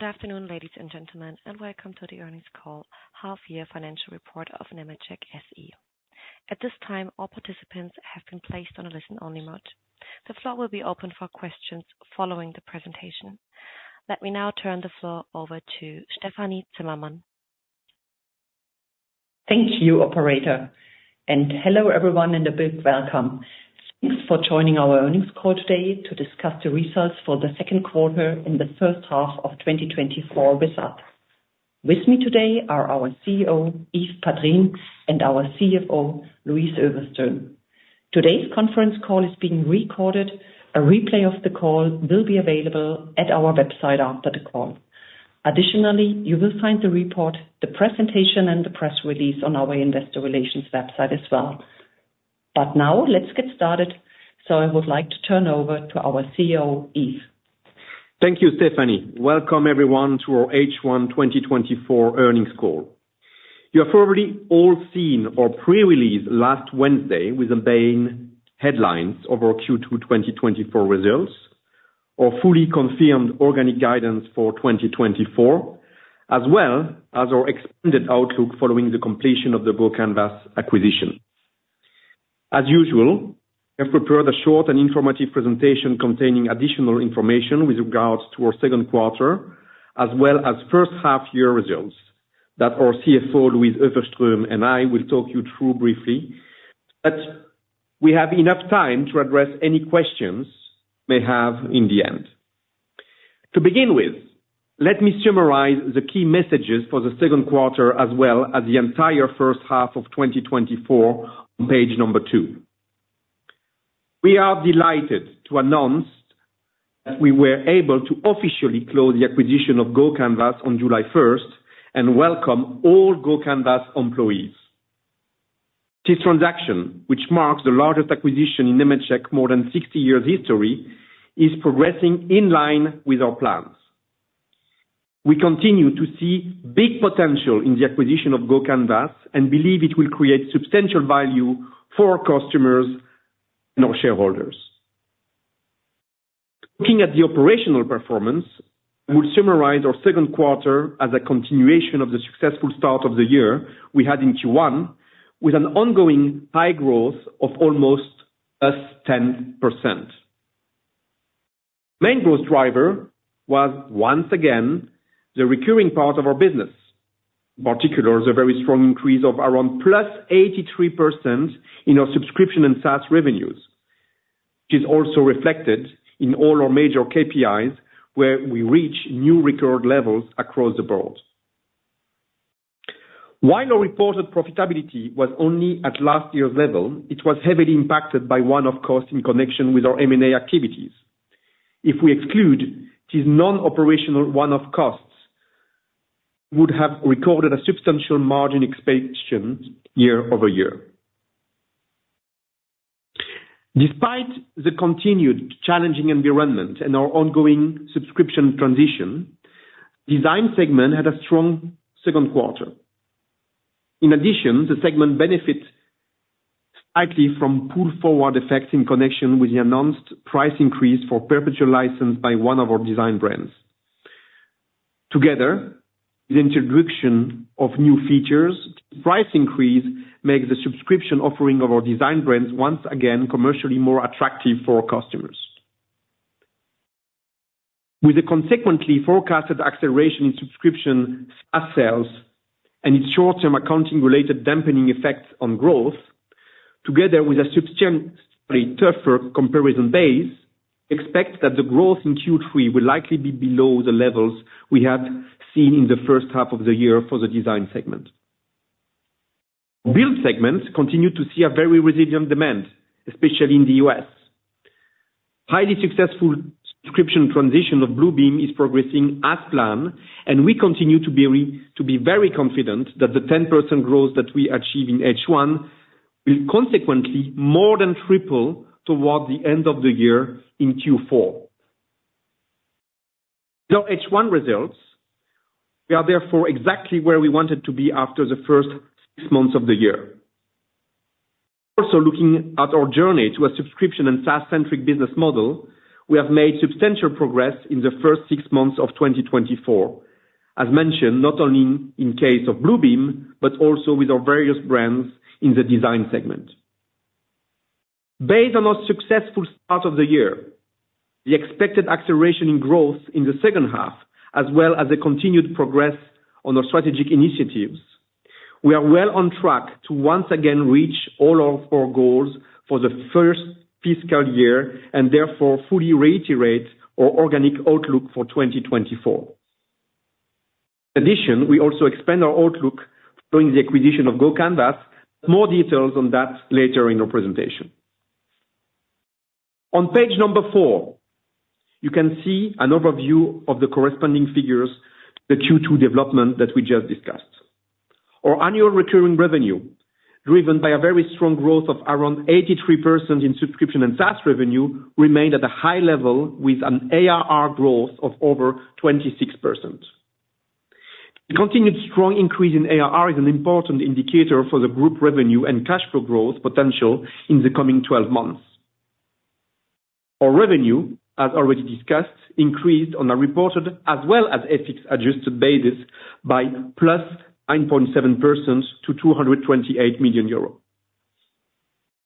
Good afternoon, ladies and gentlemen, and welcome to the earnings call, half-year financial report of Nemetschek SE. At this time, all participants have been placed on a listen-only mode. The floor will be open for questions following the presentation. Let me now turn the floor over to Stefanie Zimmermann. Thank you, Operator. Hello, everyone, and a big welcome. Thanks for joining our earnings call today to discuss the results for the second quarter in the first half of 2024 with us. With me today are our CEO, Yves Padrines, and our CFO, Louise Öfverström. Today's conference call is being recorded. A replay of the call will be available at our website after the call. Additionally, you will find the report, the presentation, and the press release on our investor relations website as well. Now, let's get started. I would like to turn over to our CEO, Yves. Thank you, Stefanie. Welcome, everyone, to our H1 2024 earnings call. You have already all seen our pre-release last Wednesday with the main headlines of our Q2 2024 results, our fully confirmed organic guidance for 2024, as well as our expanded outlook following the completion of the GoCanvas acquisition. As usual, we have prepared a short and informative presentation containing additional information with regards to our second quarter, as well as first half-year results that our CFO, Louise Öfverström, and I will talk you through briefly. But we have enough time to address any questions you may have in the end. To begin with, let me summarize the key messages for the second quarter, as well as the entire first half of 2024 on page number two. We are delighted to announce that we were able to officially close the acquisition of GoCanvas on July 1st and welcome all GoCanvas employees. This transaction, which marks the largest acquisition in Nemetschek's more than 60-year history, is progressing in line with our plans. We continue to see big potential in the acquisition of GoCanvas and believe it will create substantial value for our customers and our shareholders. Looking at the operational performance, I will summarize our second quarter as a continuation of the successful start of the year we had in Q1, with an ongoing high growth of almost +10%. The main growth driver was, once again, the recurring part of our business, in particular, the very strong increase of around +83% in our subscription and SaaS revenues, which is also reflected in all our major KPIs, where we reach new record levels across the board. While our reported profitability was only at last year's level, it was heavily impacted by one-off costs in connection with our M&A activities. If we exclude these non-operational one-off costs, we would have recorded a substantial margin expansion year-over-year. Despite the continued challenging environment and our ongoing subscription transition, the Design segment had a strong second quarter. In addition, the segment benefited slightly from pull-forward effects in connection with the announced price increase for perpetual license by one of our Design brands. Together, with the introduction of new features, the price increase makes the subscription offering of our Design brands once again commercially more attractive for our customers. With the consequently forecasted acceleration in subscription SaaS sales and its short-term accounting-related dampening effects on growth, together with a substantially tougher comparison base, we expect that the growth in Q3 will likely be below the levels we had seen in the first half of the year for the Design segment. The Build segment continued to see a very resilient demand, especially in the U.S. Highly successful subscription transition of Bluebeam is progressing as planned, and we continue to be very confident that the 10% growth that we achieve in H1 will consequently more than triple toward the end of the year in Q4. With our H1 results, we are therefore exactly where we wanted to be after the first six months of the year. Also, looking at our journey to a subscription and SaaS-centric business model, we have made substantial progress in the first six months of 2024, as mentioned, not only in the case of Bluebeam, but also with our various brands in the Design segment. Based on our successful start of the year, the expected acceleration in growth in the second half, as well as the continued progress on our strategic initiatives, we are well on track to once again reach all our four goals for the first fiscal year and therefore fully reiterate our organic outlook for 2024. In addition, we also expand our outlook following the acquisition of GoCanvas. More details on that later in our presentation. On page number four, you can see an overview of the corresponding figures to the Q2 development that we just discussed. Our annual recurring revenue, driven by a very strong growth of around 83% in subscription and SaaS revenue, remained at a high level with an ARR growth of over 26%. The continued strong increase in ARR is an important indicator for the group revenue and cash flow growth potential in the coming 12 months. Our revenue, as already discussed, increased on a reported as well as FX-adjusted basis by +9.7% to 228 million euros.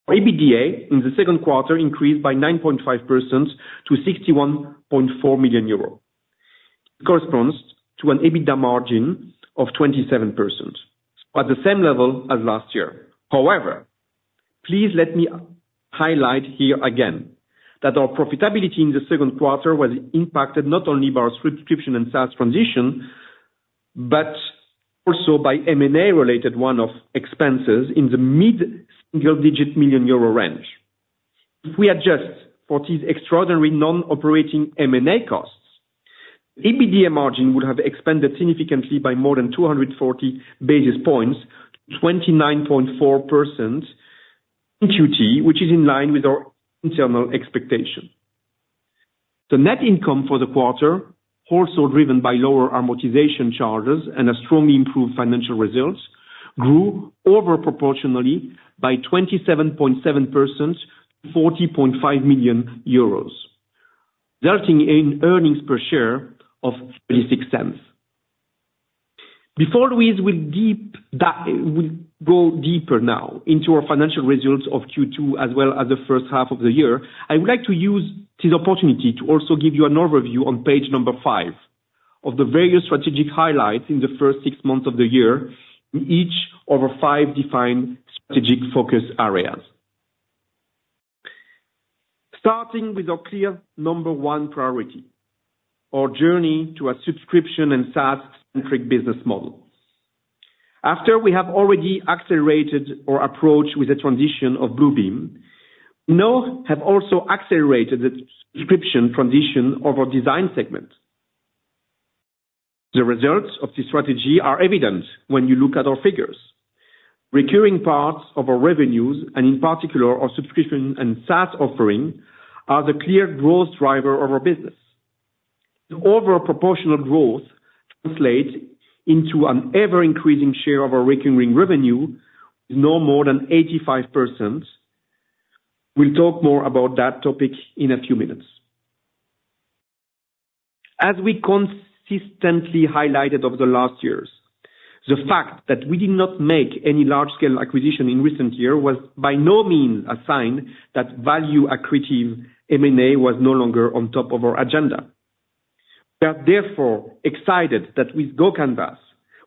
Our EBITDA in the second quarter increased by 9.5% to 61.4 million euros. It corresponds to an EBITDA margin of 27%, at the same level as last year. However, please let me highlight here again that our profitability in the second quarter was impacted not only by our subscription and SaaS transition, but also by M&A-related one-off expenses in the mid-single-digit million euro range. If we adjust for these extraordinary non-operating M&A costs, the EBITDA margin would have expanded significantly by more than 240 basis points to 29.4% in Q2, which is in line with our internal expectation. The net income for the quarter, also driven by lower amortization charges and a strongly improved financial results, grew overproportionally by 27.7% to 40.5 million euros, resulting in earnings per share of 0.36. Before Louise goes deeper now into our financial results of Q2, as well as the first half of the year, I would like to use this opportunity to also give you an overview on page five of the various strategic highlights in the first months of the year, each over five defined strategic focus areas. Starting with our clear number one priority, our journey to a subscription and SaaS-centric business model. After we have already accelerated our approach with the transition of Bluebeam, we now have also accelerated the subscription transition of our Design segment. The results of this strategy are evident when you look at our figures. Recurring parts of our revenues, and in particular, our subscription and SaaS offering, are the clear growth driver of our business. The overproportional growth translates into an ever-increasing share of our recurring revenue, no more than 85%. We'll talk more about that topic in a few minutes. As we consistently highlighted over the last years, the fact that we did not make any large-scale acquisition in recent years was by no means a sign that value-accretive M&A was no longer on top of our agenda. We are therefore excited that with GoCanvas,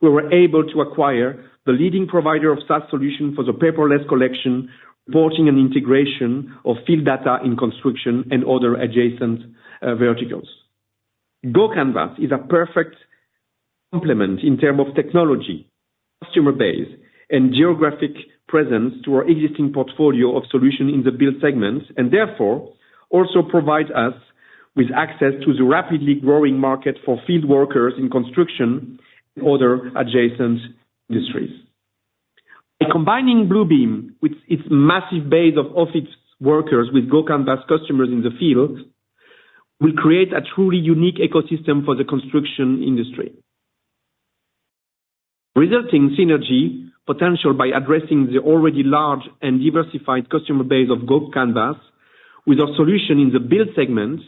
we were able to acquire the leading provider of SaaS solutions for the paperless collection, reporting, and integration of field data in construction and other adjacent verticals. GoCanvas is a perfect complement in terms of technology, customer base, and geographic presence to our existing portfolio of solutions in the Build segment, and therefore also provides us with access to the rapidly growing market for field workers in construction and other adjacent industries. By combining Bluebeam with its massive base of office workers with GoCanvas customers in the field, we will create a truly unique ecosystem for the construction industry. The resulting synergy potential by addressing the already large and diversified customer base of GoCanvas with our solution in the Build segment,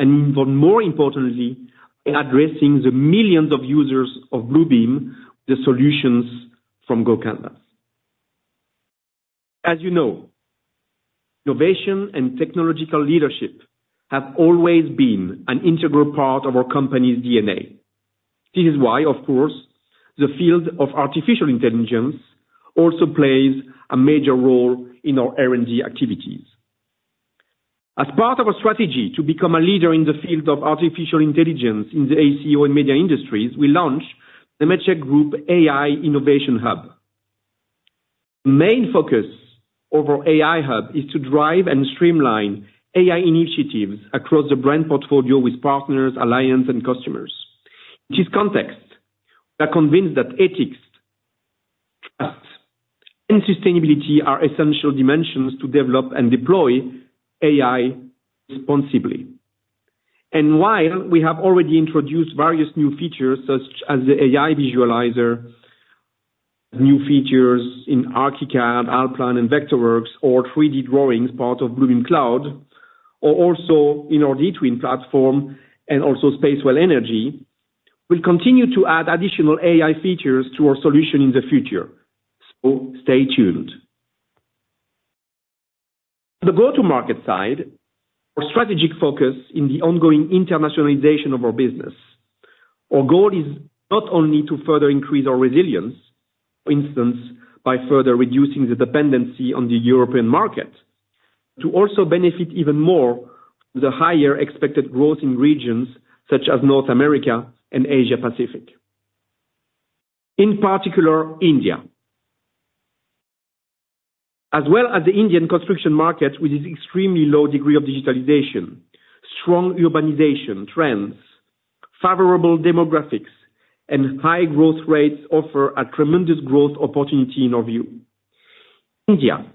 and even more importantly, by addressing the millions of users of Bluebeam with the solutions from GoCanvas. As you know, innovation and technological leadership have always been an integral part of our company's DNA. This is why, of course, the field of artificial intelligence also plays a major role in our R&D activities. As part of our strategy to become a leader in the field of artificial intelligence in the AEC/O and media industries, we launched the Nemetschek Group AI Innovation Hub. The main focus of our AI hub is to drive and streamline AI initiatives across the brand portfolio with partners, alliances, and customers. In this context, we are convinced that ethics, trust, and sustainability are essential dimensions to develop and deploy AI responsibly. While we have already introduced various new features, such as the AI Visualizer, new features in Archicad, Allplan, and Vectorworks, or 3D drawings part of Bluebeam Cloud, or also in our dTwin platform and also Spacewell Energy, we'll continue to add additional AI features to our solution in the future. Stay tuned. On the go-to-market side, our strategic focus is on the ongoing internationalization of our business. Our goal is not only to further increase our resilience, for instance, by further reducing the dependency on the European market, but to also benefit even more from the higher expected growth in regions such as North America and Asia-Pacific, in particular, India. As well as the Indian construction market, with its extremely low degree of digitalization, strong urbanization trends, favorable demographics, and high growth rates, offers a tremendous growth opportunity in our view. India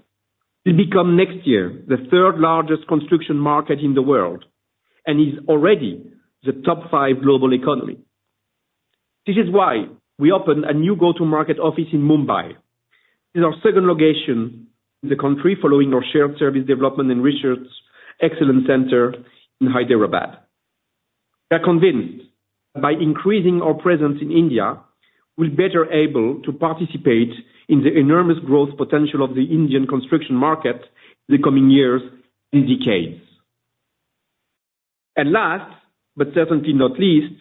will become next year the third-largest construction market in the world and is already the top five global economy. This is why we opened a new go-to-market office in Mumbai. This is our second location in the country, following our shared service development and research excellence center in Hyderabad. We are convinced that by increasing our presence in India, we'll be better able to participate in the enormous growth potential of the Indian construction market in the coming years and decades. Last, but certainly not least,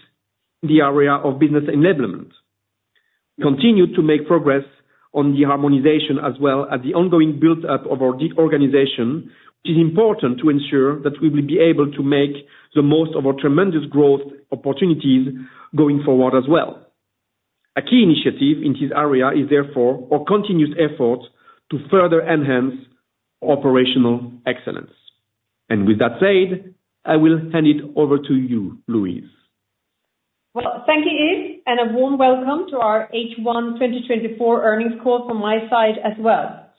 in the area of business enablement, we continue to make progress on the harmonization as well as the ongoing build-up of our decentralization, which is important to ensure that we will be able to make the most of our tremendous growth opportunities going forward as well. A key initiative in this area is therefore our continuous effort to further enhance our operational excellence. With that said, I will hand it over to you, Louise. Well, thank you, Yves, and a warm welcome to our H1 2024 earnings call from my side as well.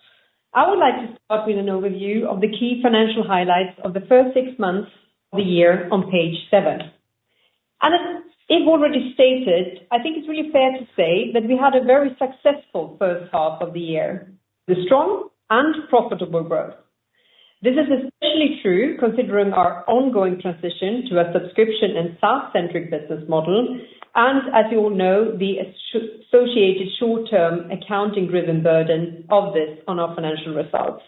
I would like to start with an overview of the key financial highlights of the first six months of the year on page seven. As Yves already stated, I think it's really fair to say that we had a very successful first half of the year with strong and profitable growth. This is especially true considering our ongoing transition to a subscription and SaaS-centric business model, and as you all know, the associated short-term accounting-driven burden of this on our financial results.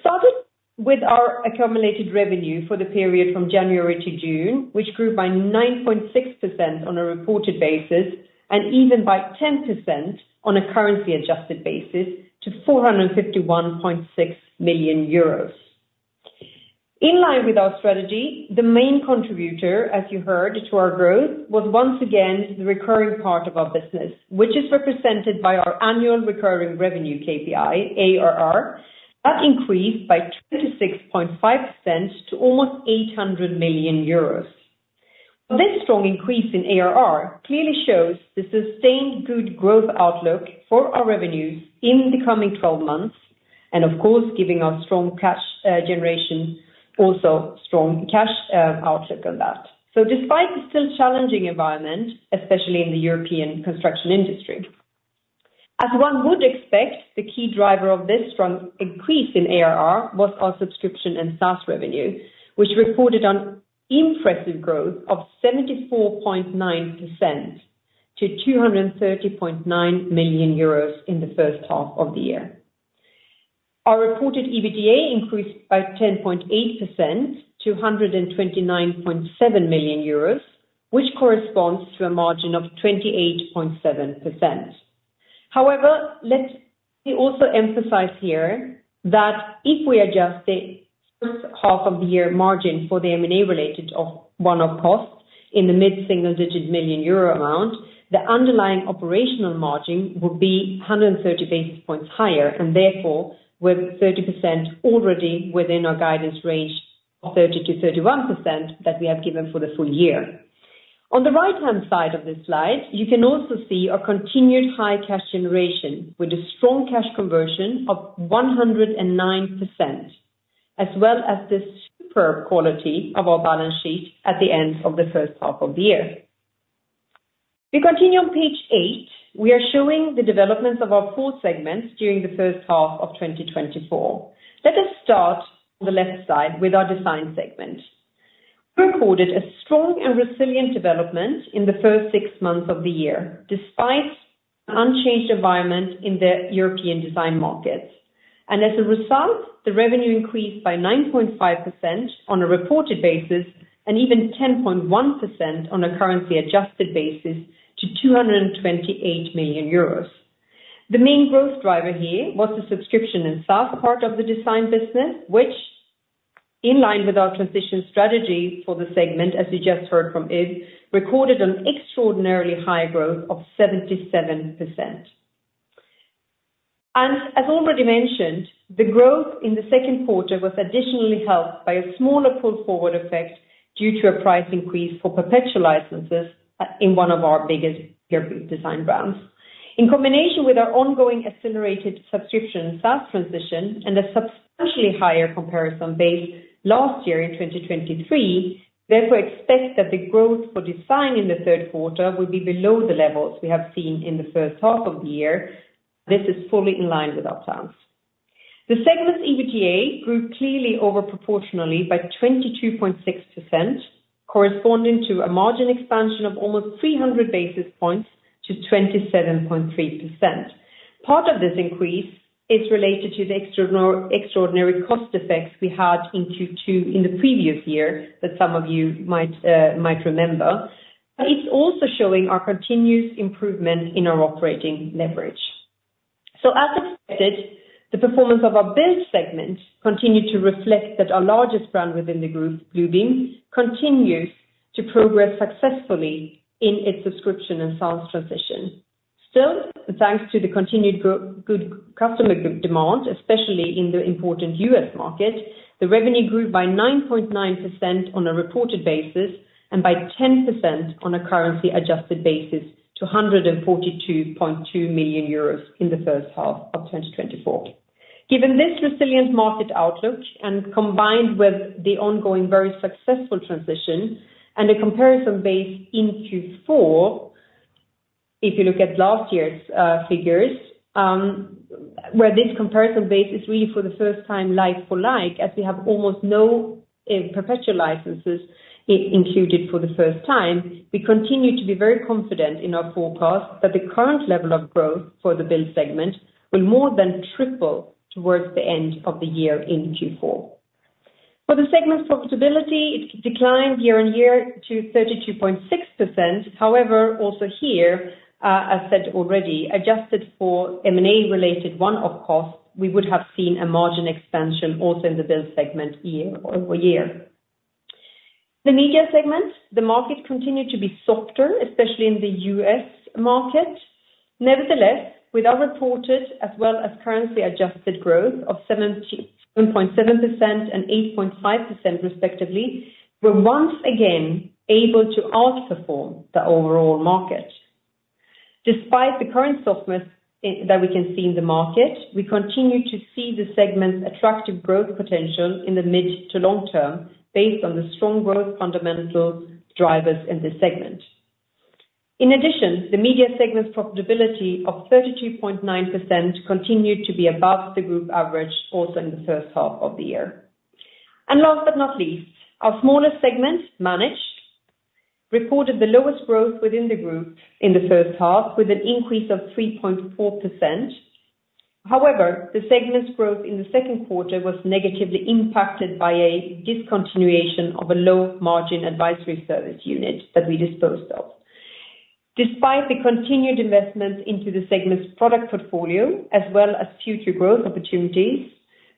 Starting with our accumulated revenue for the period from January-June, which grew by 9.6% on a reported basis and even by 10% on a currency-adjusted basis to 451.6 million euros. In line with our strategy, the main contributor, as you heard, to our growth was once again the recurring part of our business, which is represented by our annual recurring revenue KPI, ARR, that increased by 26.5% to almost 800 million euros. This strong increase in ARR clearly shows the sustained good growth outlook for our revenues in the coming 12 months, and of course, giving us strong cash generation, also strong cash outlook on that. So despite the still challenging environment, especially in the European construction industry, as one would expect, the key driver of this strong increase in ARR was our subscription and SaaS revenue, which reported on impressive growth of 74.9% to 230.9 million euros in the first half of the year. Our reported EBITDA increased by 10.8% to 129.7 million euros, which corresponds to a margin of 28.7%. However, let me also emphasize here that if we adjust the first half of the year margin for the M&A-related of one-off costs in the mid-single-digit million Euro amount, the underlying operational margin would be 130 basis points higher, and therefore we're 30% already within our guidance range of 30%-31% that we have given for the full year. On the right-hand side of this slide, you can also see our continued high cash generation with a strong cash conversion of 109%, as well as the super quality of our balance sheet at the end of the first half of the year. We continue on page eight. We are showing the developments of our four segments during the first half of 2024. Let us start on the left side with our Design segment. We recorded a strong and resilient development in the first six months of the year, despite an unchanged environment in the European design markets. As a result, the revenue increased by 9.5% on a reported basis and even 10.1% on a currency-adjusted basis to 228 million euros. The main growth driver here was the subscription and SaaS part of the design business, which, in line with our transition strategy for the segment, as you just heard from Yves, recorded an extraordinarily high growth of 77%. As already mentioned, the growth in the second quarter was additionally helped by a smaller pull-forward effect due to a price increase for perpetual licenses in one of our biggest European design brands. In combination with our ongoing accelerated subscription and SaaS transition and a substantially higher comparison base last year in 2023, therefore expect that the growth for Design in the third quarter will be below the levels we have seen in the first half of the year. This is fully in line with our plans. The segment's EBITDA grew clearly overproportionally by 22.6%, corresponding to a margin expansion of almost 300 basis points to 27.3%. Part of this increase is related to the extraordinary cost effects we had in Q2 in the previous year that some of you might remember. It's also showing our continuous improvement in our operating leverage. So as expected, the performance of our Build segment continued to reflect that our largest brand within the group, Bluebeam, continues to progress successfully in its subscription and SaaS transition. Still, thanks to the continued good customer demand, especially in the important U.S. market, the revenue grew by 9.9% on a reported basis and by 10% on a currency-adjusted basis to 142.2 million euros in the first half of 2024. Given this resilient market outlook and combined with the ongoing very successful transition and a comparison base in Q4, if you look at last year's figures, where this comparison base is really for the first time like for the first time, as we have almost no perpetual licenses included for the first time, we continue to be very confident in our forecast that the current level of growth for the Build segment will more than triple towards the end of the year in Q4. For the segment's profitability, it declined year-on-year to 32.6%. However, also here, as said already, adjusted for M&A-related one-off costs, we would have seen a margin expansion also in the Build segment year-over-year. The Media segment, the market continued to be softer, especially in the U.S. market. Nevertheless, with our reported as well as currency-adjusted growth of 7.7% and 8.5% respectively, we're once again able to outperform the overall market. Despite the current softness that we can see in the market, we continue to see the segment's attractive growth potential in the mid to long term based on the strong growth fundamental drivers in this segment. In addition, the Media segment's profitability of 32.9% continued to be above the group average also in the first half of the year. And last but not least, our smallest segment, Manage, reported the lowest growth within the group in the first half with an increase of 3.4%. However, the segment's growth in the second quarter was negatively impacted by a discontinuation of a low-margin advisory service unit that we disposed of. Despite the continued investments into the segment's product portfolio, as well as future growth opportunities,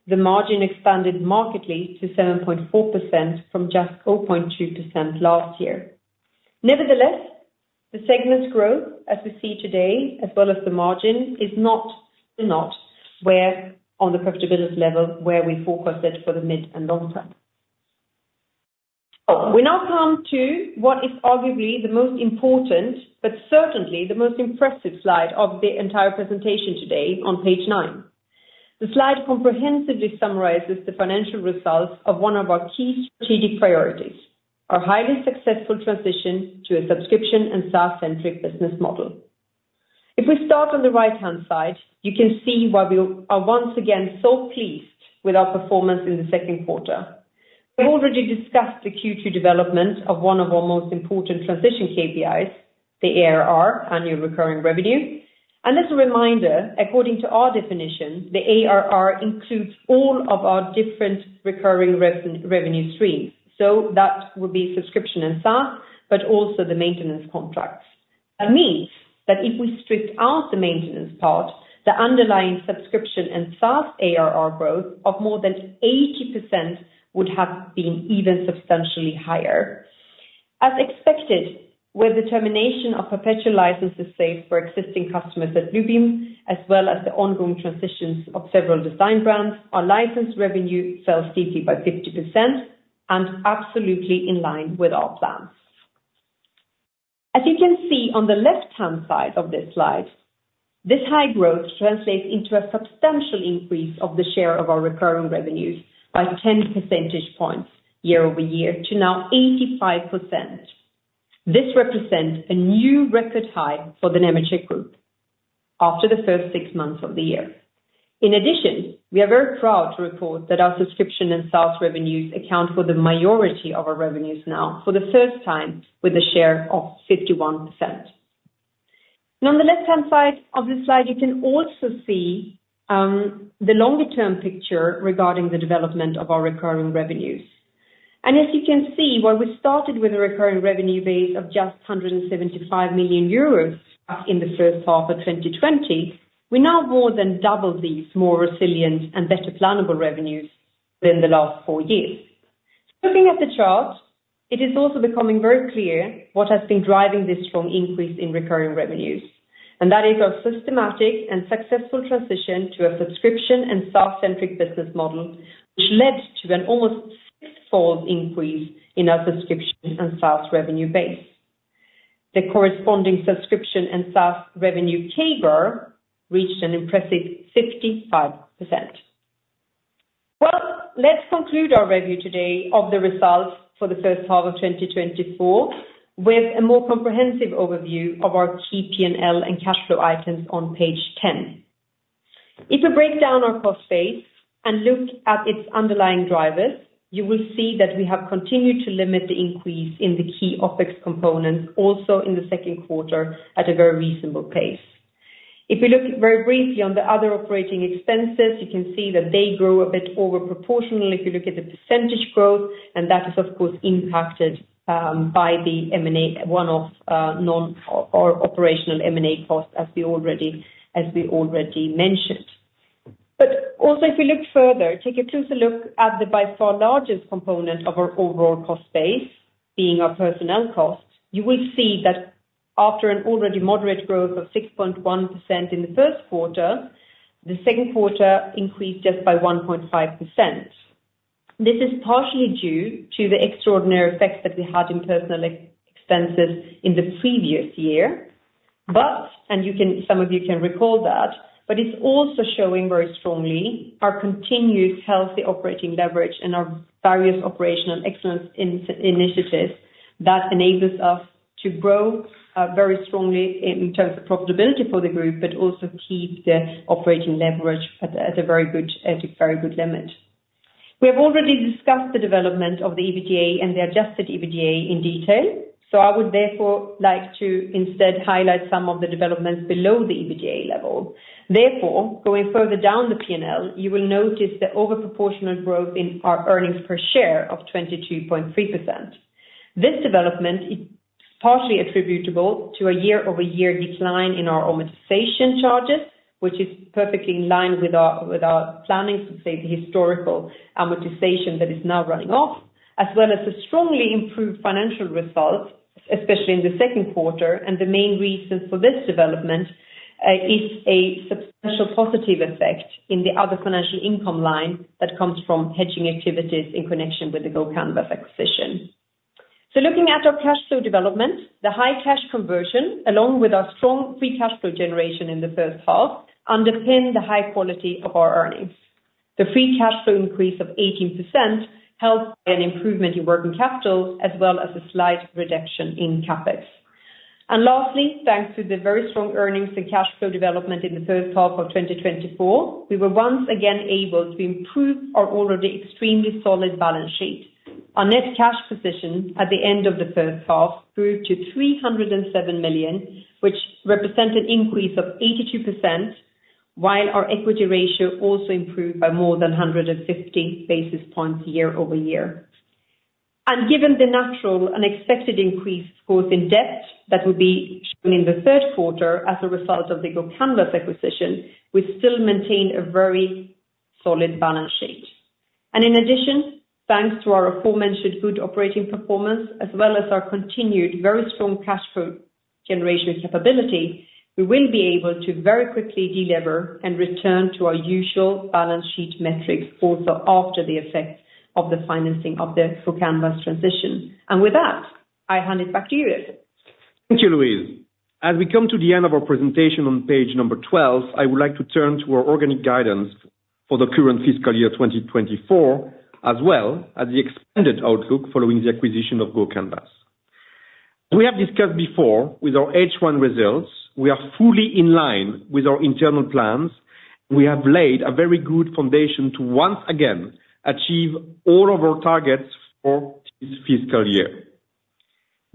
the margin expanded markedly to 7.4% from just 0.2% last year. Nevertheless, the segment's growth, as we see today, as well as the margin, is still not where, on the profitability level, we focused it for the mid and long term. We now come to what is arguably the most important, but certainly the most impressive slide of the entire presentation today on page nine. The slide comprehensively summarizes the financial results of one of our key strategic priorities, our highly successful transition to a subscription and SaaS-centric business model. If we start on the right-hand side, you can see why we are once again so pleased with our performance in the second quarter. We've already discussed the Q2 development of one of our most important transition KPIs, the ARR, annual recurring revenue. As a reminder, according to our definition, the ARR includes all of our different recurring revenue streams. So that would be subscription and SaaS, but also the maintenance contracts. That means that if we strip out the maintenance part, the underlying subscription and SaaS ARR growth of more than 80% would have been even substantially higher. As expected, with the termination of perpetual licenses saved for existing customers at Bluebeam, as well as the ongoing transitions of several Design brands, our license revenue fell steeply by 50%, and absolutely in line with our plans. As you can see on the left-hand side of this slide, this high growth translates into a substantial increase of the share of our recurring revenues by 10 percentage points year-over-year to now 85%. This represents a new record high for the Nemetschek Group after the first six months of the year. In addition, we are very proud to report that our subscription and SaaS revenues account for the majority of our revenues now for the first time with a share of 51%. On the left-hand side of this slide, you can also see the longer-term picture regarding the development of our recurring revenues. As you can see, while we started with a recurring revenue base of just 175 million euros in the first half of 2020, we now more than double these more resilient and better plannable revenues than the last four years. Looking at the chart, it is also becoming very clear what has been driving this strong increase in recurring revenues. That is our systematic and successful transition to a subscription and SaaS-centric business model, which led to an almost six-fold increase in our subscription and SaaS revenue base. The corresponding subscription and SaaS revenue CAGR reached an impressive 55%. Well, let's conclude our review today of the results for the first half of 2024 with a more comprehensive overview of our key P&L and cash flow items on page 10. If we break down our cost base and look at its underlying drivers, you will see that we have continued to limit the increase in the key OpEx components also in the second quarter at a very reasonable pace. If we look very briefly on the other operating expenses, you can see that they grow a bit overproportionally if you look at the percentage growth, and that is, of course, impacted by the one-off non-operational M&A cost, as we already mentioned. But also, if we look further, take a closer look at the by far largest component of our overall cost base, being our personnel costs, you will see that after an already moderate growth of 6.1% in the first quarter, the second quarter increased just by 1.5%. This is partially due to the extraordinary effects that we had in personnel expenses in the previous year. But, and some of you can recall that, but it's also showing very strongly our continuous healthy operating leverage and our various operational excellence initiatives that enables us to grow very strongly in terms of profitability for the group, but also keep the operating leverage at a very good limit. We have already discussed the development of the EBITDA and the adjusted EBITDA in detail. So I would therefore like to instead highlight some of the developments below the EBITDA level. Therefore, going further down the P&L, you will notice the overproportional growth in our earnings per share of 22.3%. This development is partially attributable to a year-over-year decline in our amortization charges, which is perfectly in line with our planning to save the historical amortization that is now running off, as well as the strongly improved financial results, especially in the second quarter. The main reason for this development is a substantial positive effect in the other financial income line that comes from hedging activities in connection with the GoCanvas acquisition. Looking at our cash flow development, the high cash conversion, along with our strong free cash flow generation in the first half, underpins the high quality of our earnings. The free cash flow increase of 18% helped by an improvement in working capital, as well as a slight reduction in CapEx. Lastly, thanks to the very strong earnings and cash flow development in the first half of 2024, we were once again able to improve our already extremely solid balance sheet. Our net cash position at the end of the first half grew to 307 million, which represents an increase of 82%, while our equity ratio also improved by more than 150 basis points year-over-year. Given the natural and expected increase in debt that would be shown in the third quarter as a result of the GoCanvas acquisition, we still maintain a very solid balance sheet. In addition, thanks to our aforementioned good operating performance, as well as our continued very strong cash flow generation capability, we will be able to very quickly deliver and return to our usual balance sheet metrics also after the effect of the financing of the GoCanvas transition. With that, I hand it back to you, Yves. Thank you, Louise. As we come to the end of our presentation on page number 12, I would like to turn to our organic guidance for the current fiscal year 2024, as well as the expanded outlook following the acquisition of GoCanvas. As we have discussed before with our H1 results, we are fully in line with our internal plans. We have laid a very good foundation to once again achieve all of our targets for this fiscal year.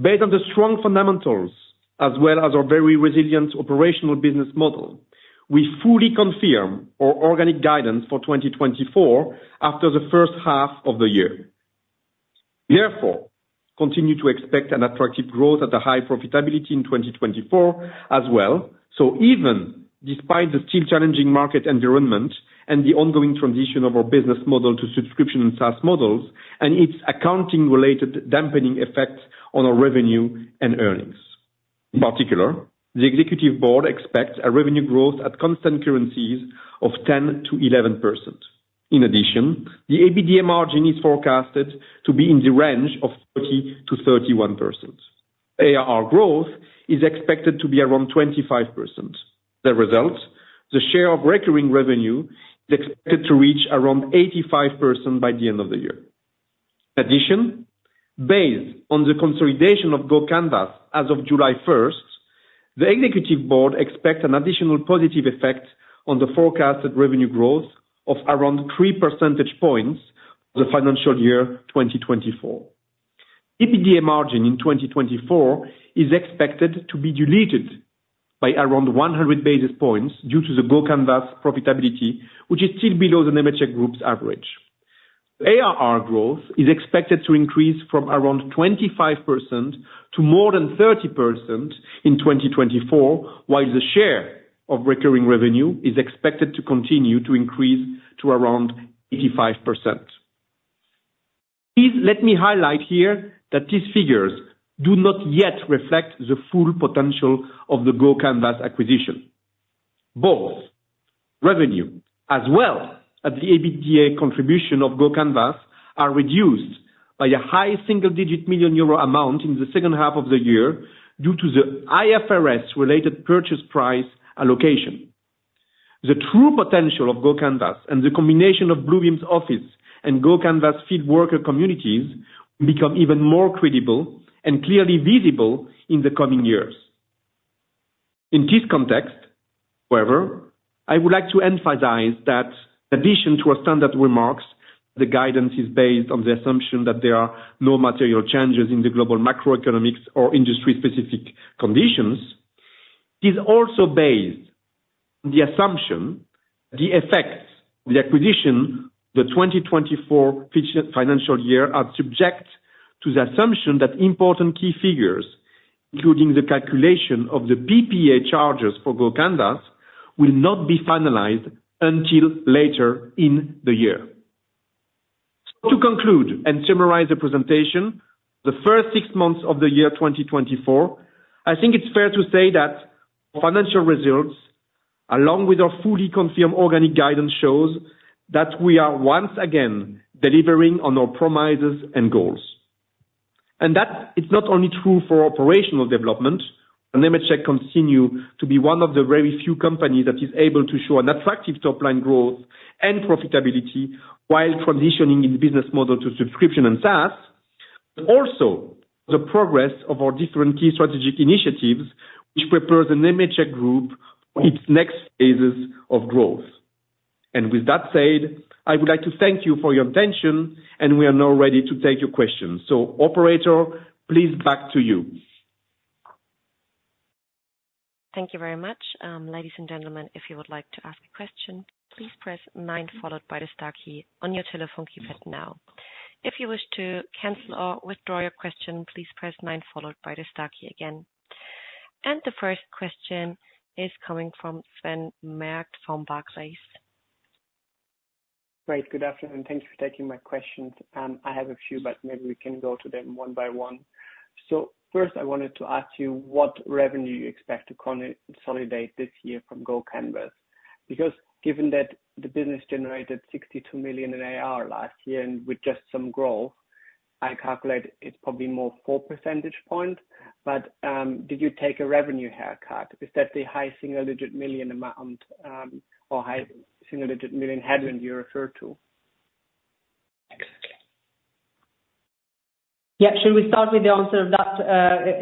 Based on the strong fundamentals, as well as our very resilient operational business model, we fully confirm our organic guidance for 2024 after the first half of the year. Therefore, continue to expect an attractive growth at a high profitability in 2024 as well. Even despite the still challenging market environment and the ongoing transition of our business model to subscription and SaaS models and its accounting-related dampening effects on our revenue and earnings. In particular, the executive board expects a revenue growth at constant currencies of 10%-11%. In addition, the EBITDA margin is forecasted to be in the range of 30%-31%. ARR growth is expected to be around 25%. As a result, the share of recurring revenue is expected to reach around 85% by the end of the year. In addition, based on the consolidation of GoCanvas as of July 1st, the executive board expects an additional positive effect on the forecasted revenue growth of around 3 percentage points for the financial year 2024. EBITDA margin in 2024 is expected to be diluted by around 100 basis points due to the GoCanvas profitability, which is still below the Nemetschek Group's average. ARR growth is expected to increase from around 25% to more than 30% in 2024, while the share of recurring revenue is expected to continue to increase to around 85%. Please let me highlight here that these figures do not yet reflect the full potential of the GoCanvas acquisition. Both revenue, as well as the EBITDA contribution of GoCanvas, are reduced by a high single-digit million Euro amount in the second half of the year due to the IFRS-related purchase price allocation. The true potential of GoCanvas and the combination of Bluebeam's office and GoCanvas field worker communities will become even more credible and clearly visible in the coming years. In this context, however, I would like to emphasize that in addition to our standard remarks, the guidance is based on the assumption that there are no material changes in the global macroeconomics or industry-specific conditions. It is also based on the assumption that the effects of the acquisition the 2024 financial year are subject to the assumption that important key figures, including the calculation of the PPA charges for GoCanvas, will not be finalized until later in the year. So to conclude and summarize the presentation, the first six months of the year 2024, I think it's fair to say that our financial results, along with our fully confirmed organic guidance, show that we are once again delivering on our promises and goals. That it's not only true for operational development. Nemetschek continues to be one of the very few companies that is able to show an attractive top-line growth and profitability while transitioning its business model to subscription and SaaS, but also the progress of our different key strategic initiatives, which prepares the Nemetschek Group for its next phases of growth. And with that said, I would like to thank you for your attention, and we are now ready to take your questions. So operator, please back to you. Thank you very much. Ladies and gentlemen, if you would like to ask a question, please press nine followed by the star key on your telephone keypad now. If you wish to cancel or withdraw your question, please press nine followed by the star key again. And the first question is coming from Sven Merkt from Barclays. Great. Good afternoon. Thank you for taking my questions. I have a few, but maybe we can go to them one by one. So first, I wanted to ask you what revenue you expect to consolidate this year from GoCanvas. Because given that the business generated 62 million in AR last year and with just some growth, I calculate it's probably more four percentage points. But did you take a revenue haircut? Is that the high single-digit million amount or high single-digit million headwind you referred to? Exactly. Yeah. Should we start with the answer of that?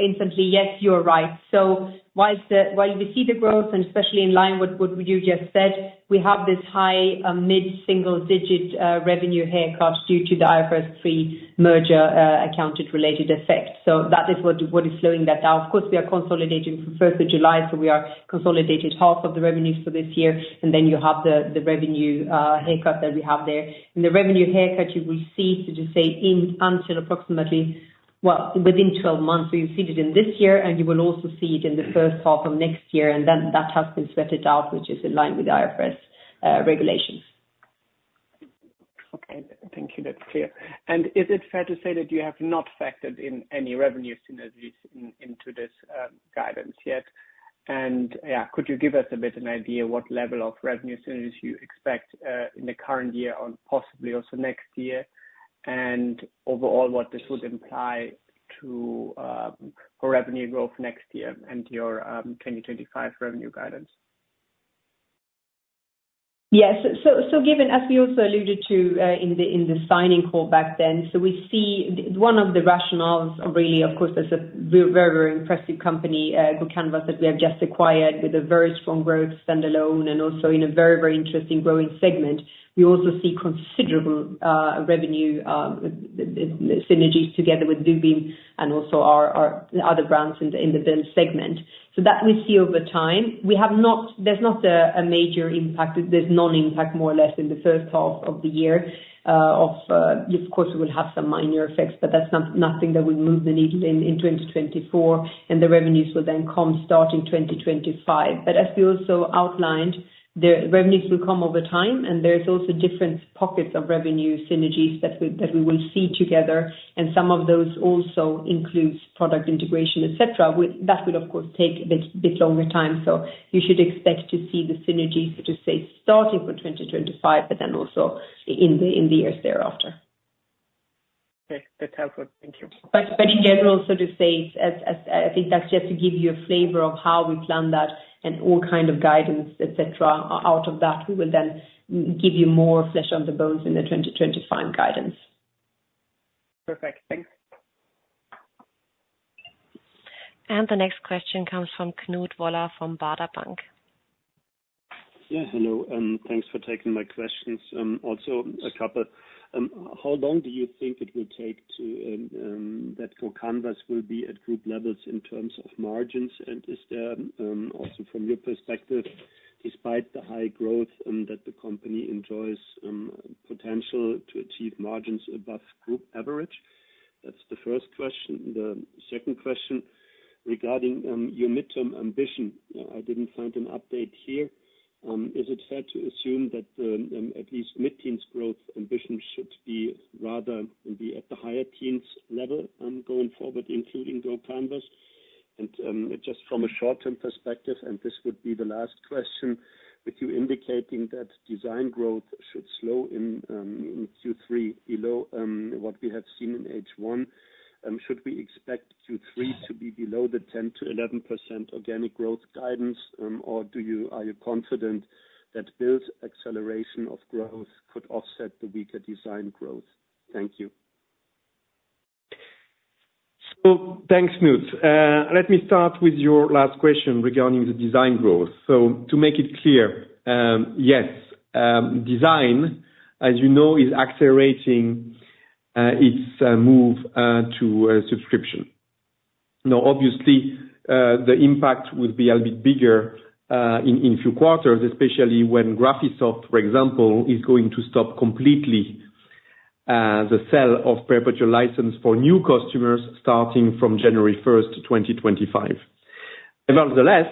Instantly, yes, you are right. So while we see the growth, and especially in line with what you just said, we have this high mid-single-digit revenue haircut due to the IFRS 3 merger accounted related effect. So that is what is slowing that down. Of course, we are consolidating for first of July, so we are consolidating half of the revenues for this year. And then you have the revenue haircut that we have there. And the revenue haircut you will see, as you say, in until approximately, well, within 12 months. So you'll see it in this year, and you will also see it in the first half of next year. And then that has been sweated out, which is in line with IFRS regulations. Okay. Thank you. That's clear. Is it fair to say that you have not factored in any revenue synergies into this guidance yet? And yeah, could you give us a bit of an idea of what level of revenue synergies you expect in the current year and possibly also next year? And overall, what this would imply for revenue growth next year and your 2025 revenue guidance? Yes. So, given as we also alluded to in the signing call back then, so we see one of the rationales really, of course, there's a very, very impressive company, GoCanvas, that we have just acquired with a very strong growth standalone and also in a very, very interesting growing segment. We also see considerable revenue synergies together with Bluebeam and also our other brands in the Build segment. So that we see over time. There's not a major impact. There's no impact, more or less, in the first half of the year. Of course, we will have some minor effects, but that's nothing that will move the needle in 2024, and the revenues will then come starting 2025. But as we also outlined, the revenues will come over time, and there's also different pockets of revenue synergies that we will see together. And some of those also include product integration, etc. That will, of course, take a bit longer time. So you should expect to see the synergies, so to say, starting from 2025, but then also in the years thereafter. Okay. That's helpful. Thank you. But in general, so to say, I think that's just to give you a flavor of how we plan that and all kinds of guidance, etc. Out of that, we will then give you more flesh on the bones in the 2025 guidance. Perfect. Thanks. And the next question comes from Knut Woller from Baader Bank. Yeah. Hello. And thanks for taking my questions. Also, a couple. How long do you think it will take that GoCanvas will be at group levels in terms of margins? Is there also, from your perspective, despite the high growth that the company enjoys, potential to achieve margins above group average? That's the first question. The second question regarding your midterm ambition. I didn't find an update here. Is it fair to assume that at least mid-teens growth ambition should be rather at the higher teens level going forward, including GoCanvas? And just from a short-term perspective, and this would be the last question, with you indicating that Design growth should slow in Q3 below what we have seen in H1, should we expect Q3 to be below the 10%-11% organic growth guidance, or are you confident that Build acceleration of growth could offset the weaker Design growth? Thank you. Thanks, Knut. Let me start with your last question regarding the Design growth. So to make it clear, yes, Design, as you know, is accelerating its move to subscription. Now, obviously, the impact will be a bit bigger in a few quarters, especially when Graphisoft, for example, is going to stop completely the sale of perpetual license for new customers starting from January 1st, 2025. Nevertheless,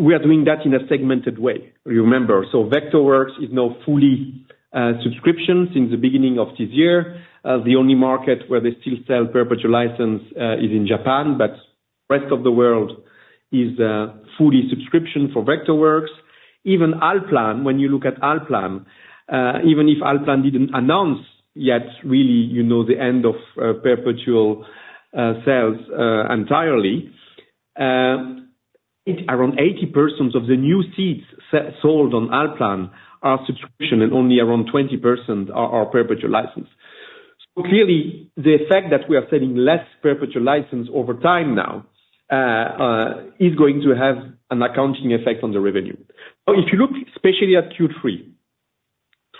we are doing that in a segmented way. Remember, so Vectorworks is now fully subscription since the beginning of this year. The only market where they still sell perpetual license is in Japan, but the rest of the world is fully subscription for Vectorworks. Even Allplan, when you look at Allplan, even if Allplan didn't announce yet really the end of perpetual sales entirely, around 80% of the new seats sold on Allplan are subscription and only around 20% are perpetual license. So clearly, the effect that we are selling less perpetual license over time now is going to have an accounting effect on the revenue. So if you look especially at Q3,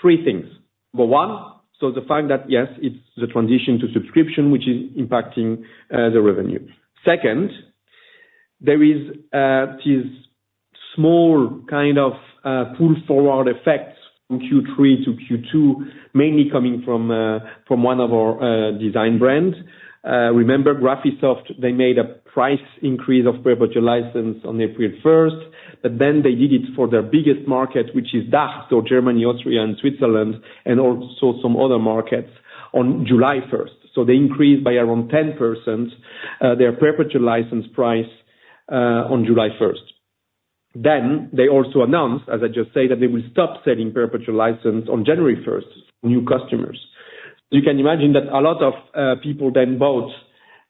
three things. Number one, so the fact that, yes, it's the transition to subscription, which is impacting the revenue. Second, there is this small kind of pull forward effect from Q3-Q2, mainly coming from one of our Design brands. Remember, Graphisoft, they made a price increase of perpetual license on April 1st, but then they did it for their biggest market, which is DACH, so Germany, Austria, and Switzerland, and also some other markets on July 1st. So they increased by around 10% their perpetual license price on July 1st. Then they also announced, as I just said, that they will stop selling perpetual license on January 1st for new customers. You can imagine that a lot of people then bought,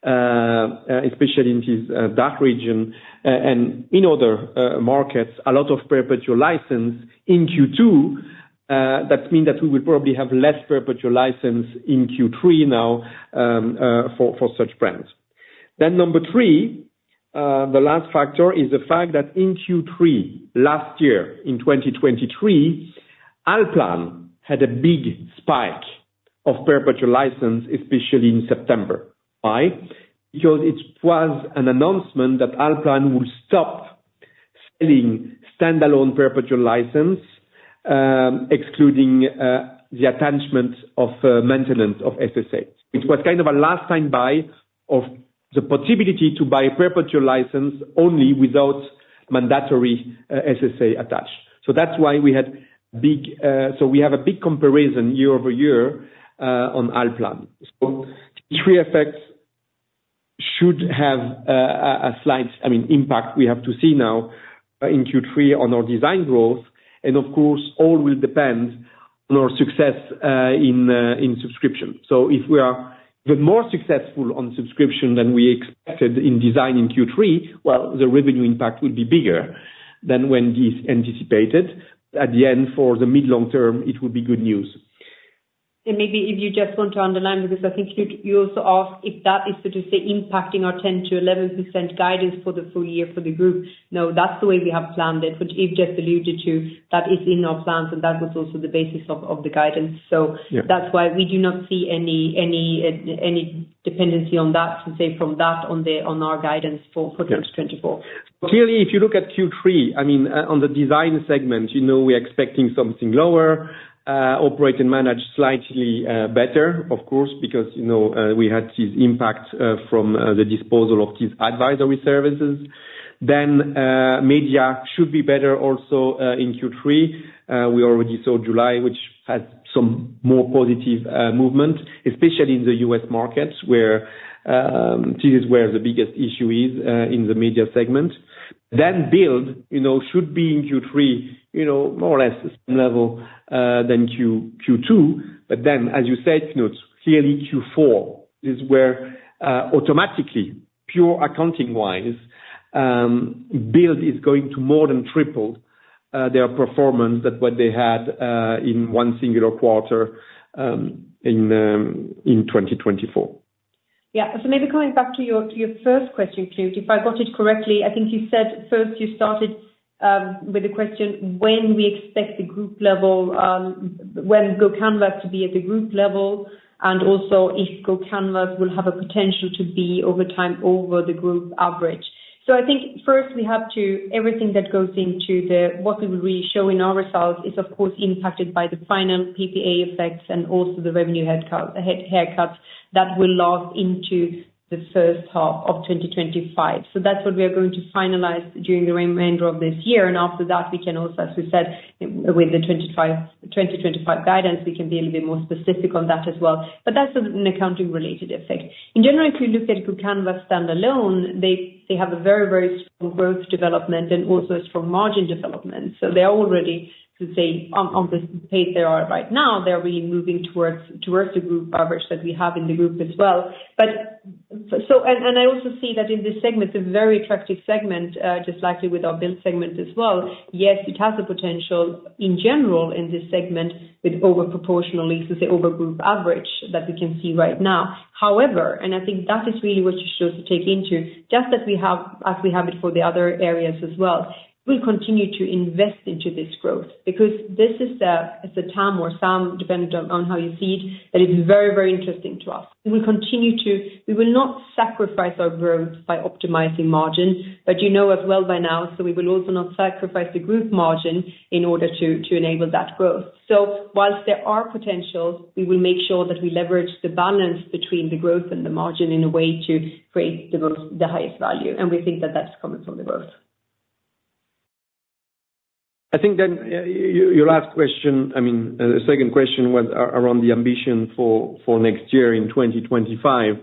especially in this DACH region and in other markets, a lot of perpetual license in Q2. That means that we will probably have less perpetual license in Q3 now for such brands. Then number three, the last factor is the fact that in Q3 last year, in 2023, Allplan had a big spike of perpetual license, especially in September. Why? Because it was an announcement that Allplan will stop selling standalone perpetual license, excluding the attachment of maintenance of SSA. It was kind of a last-time buy of the possibility to buy a perpetual license only without mandatory SSA attached. So that's why we had a big so we have a big comparison year-over-year on Allplan. So Q3 effects should have a slight, I mean, impact. We have to see now in Q3 on our Design growth. And of course, all will depend on our success in subscription. So if we are even more successful on subscription than we expected in Design in Q3, well, the revenue impact will be bigger than when anticipated. At the end, for the mid-long term, it will be good news. And maybe if you just want to underline with this, I think you also asked if that is, so to say, impacting our 10%-11% guidance for the full year for the group. No, that's the way we have planned it, which Yves just alluded to. That is in our plans, and that was also the basis of the guidance. So that's why we do not see any dependency on that, to say, from that on our guidance for 2024. Clearly, if you look at Q3, I mean, on the Design segment, we are expecting something lower, operate and manage slightly better, of course, because we had this impact from the disposal of these advisory services. Then Media should be better also in Q3. We already saw July, which had some more positive movement, especially in the U.S. markets, where this is where the biggest issue is in the Media segment. Then Build should be in Q3, more or less the same level than Q2. But then, as you said, Knut, clearly Q4 is where automatically, pure accounting-wise, Build is going to more than triple their performance than what they had in one singular quarter in 2024. Yeah. So maybe coming back to your first question, Knut, if I got it correctly, I think you said first you started with the question when we expect the group level, when GoCanvas to be at the group level, and also if GoCanvas will have a potential to be over time over the group average. So I think first we have to everything that goes into what we will really show in our results is, of course, impacted by the final PPA effects and also the revenue haircuts that will log into the first half of 2025. So that's what we are going to finalize during the remainder of this year. And after that, we can also, as we said, with the 2025 guidance, we can be a little bit more specific on that as well. But that's an accounting-related effect. In general, if you look at GoCanvas standalone, they have a very, very strong growth development and also a strong margin development. So they are already, to say, on the pace they are right now, they are really moving towards the group average that we have in the group as well. And I also see that in this segment, the very attractive segment, just like with our Build segment as well, yes, it has a potential in general in this segment with overproportionally, so to say, over group average that we can see right now. However, and I think that is really what you should also take into, just as we have it for the other areas as well, we'll continue to invest into this growth because this is a term or sound, depending on how you see it, that is very, very interesting to us. We will not sacrifice our growth by optimizing margin, but you know as well by now, so we will also not sacrifice the group margin in order to enable that growth. So while there are potentials, we will make sure that we leverage the balance between the growth and the margin in a way to create the highest value. We think that that's coming from the growth. I think then your last question, I mean, the second question was around the ambition for next year in 2025.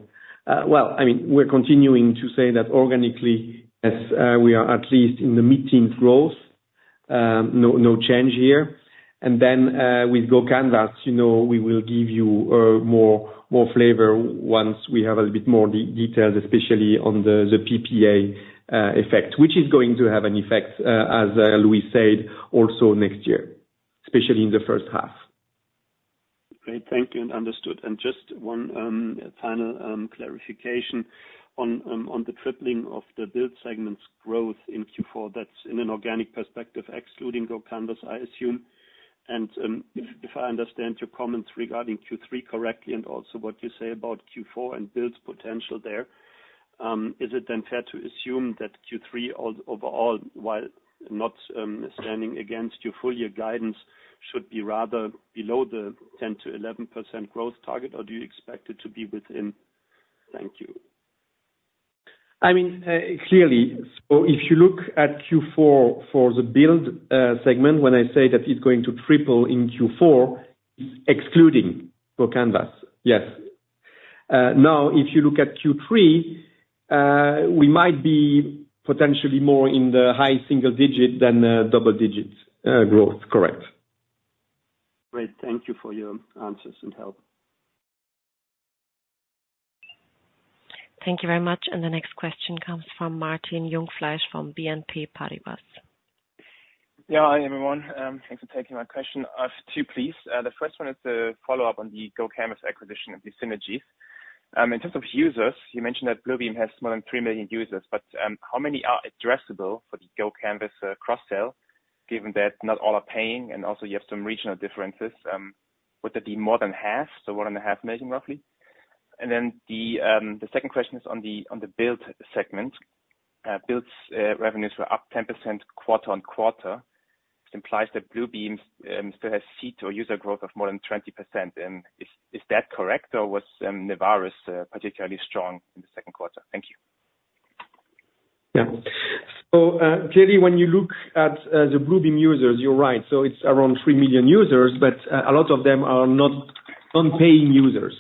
Well, I mean, we're continuing to say that organically, yes, we are at least in the mid-teens growth, no change here. Then with GoCanvas, we will give you more flavor once we have a little bit more details, especially on the PPA effect, which is going to have an effect, as Louise said, also next year, especially in the first half. Great. Thank you. Understood. Just one final clarification on the tripling of the Build segment's growth in Q4. That's in an organic perspective, excluding GoCanvas, I assume. And if I understand your comments regarding Q3 correctly and also what you say about Q4 and Build potential there, is it then fair to assume that Q3 overall, while not standing against your full year guidance, should be rather below the 10%-11% growth target, or do you expect it to be within? Thank you. I mean, clearly, so if you look at Q4 for the Build segment, when I say that it's going to triple in Q4, excluding GoCanvas, yes. Now, if you look at Q3, we might be potentially more in the high single digit than double digit growth. Correct. Great. Thank you for your answers and help. Thank you very much. And the next question comes from Martin Jungfleisch from BNP Paribas. Yeah. Hi, everyone. Thanks for taking my question. Two piece. The first one is the follow-up on the GoCanvas acquisition and the synergies. In terms of users, you mentioned that Bluebeam has more than 3 million users, but how many are addressable for the GoCanvas cross-sale, given that not all are paying and also you have some regional differences? Would that be more than half, so more than half a million roughly? Then the second question is on the Build segment. Build revenues were up 10% quarter-on-quarter. It implies that Bluebeam still has seat or user growth of more than 20%. Is that correct, or was Nevaris particularly strong in the second quarter? Thank you. Yeah. So clearly, when you look at the Bluebeam users, you're right. So it's around three million users, but a lot of them are non-paying users.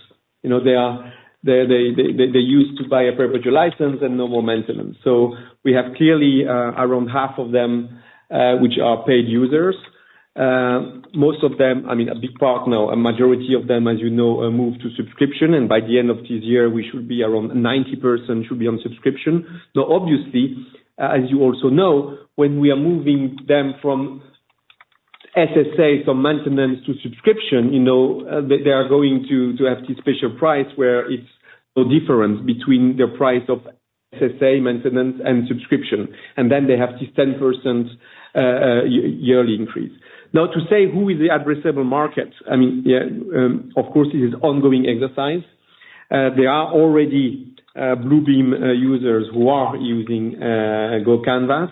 They are used to buy a perpetual license and no more maintenance. So we have clearly around half of them, which are paid users. Most of them, I mean, a big part now, a majority of them, as you know, move to subscription. And by the end of this year, we should be around 90% should be on subscription. Now, obviously, as you also know, when we are moving them from SSA from maintenance to subscription, they are going to have this special price where it's no difference between the price of SSA maintenance and subscription. And then they have this 10% yearly increase. Now, to say who is the addressable market, I mean, of course, it is an ongoing exercise. There are already Bluebeam users who are using GoCanvas.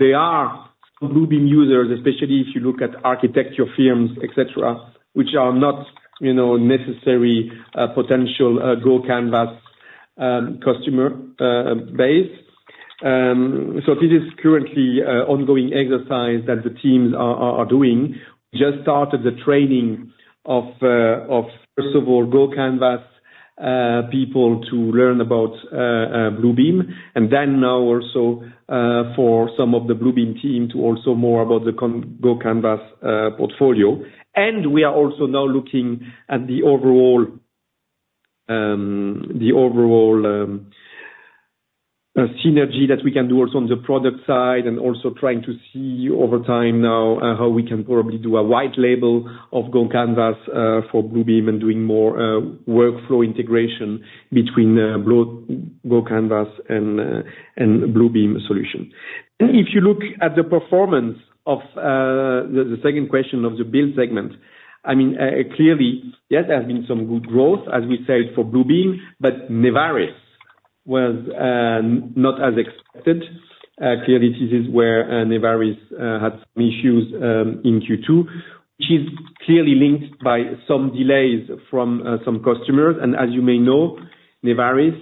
There are some Bluebeam users, especially if you look at architecture firms, etc., which are not necessarily potential GoCanvas customer base. So this is currently an ongoing exercise that the teams are doing. We just started the training of, first of all, GoCanvas people to learn about Bluebeam. And then now also for some of the Bluebeam team to learn more about the GoCanvas portfolio. We are also now looking at the overall synergy that we can do also on the product side and also trying to see over time now how we can probably do a white label of GoCanvas for Bluebeam and doing more workflow integration between GoCanvas and Bluebeam solution. If you look at the performance of the second quarter of the Build segment, I mean, clearly, yes, there has been some good growth, as we said, for Bluebeam, but Nevaris was not as expected. Clearly, this is where Nevaris had some issues in Q2, which is clearly linked by some delays from some customers. As you may know, Nevaris,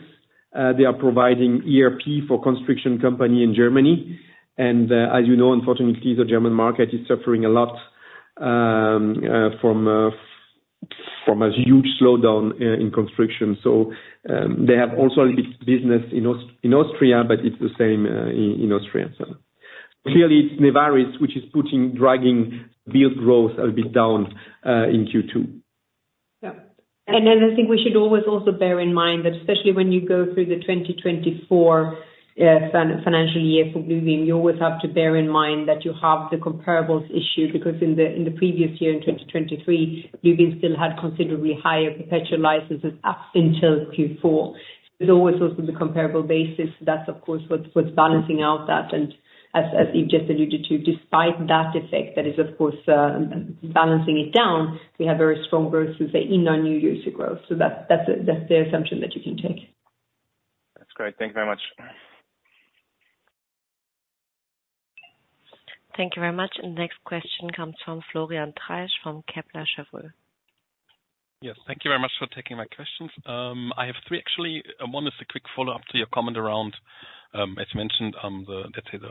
they are providing ERP for construction company in Germany. As you know, unfortunately, the German market is suffering a lot from a huge slowdown in construction. So they have also a little bit of business in Austria, but it's the same in Austria. So clearly, it's Nevaris, which is dragging Build growth a little bit down in Q2. Yeah. And then I think we should always also bear in mind that especially when you go through the 2024 financial year for Bluebeam, you always have to bear in mind that you have the comparables issue because in the previous year, in 2023, Bluebeam still had considerably higher perpetual licenses up until Q4. So there's always also the comparable basis. That's, of course, what's balancing out that. And as Yves just alluded to, despite that effect that is, of course, balancing it down, we have very strong growth, so to say, in our new user growth. So that's the assumption that you can take. That's great. Thank you very much. Thank you very much. The next question comes from Florian Treisch from Kepler Cheuvreux. Yes. Thank you very much for taking my questions. I have three, actually. One is a quick follow-up to your comment around, as you mentioned, let's say, the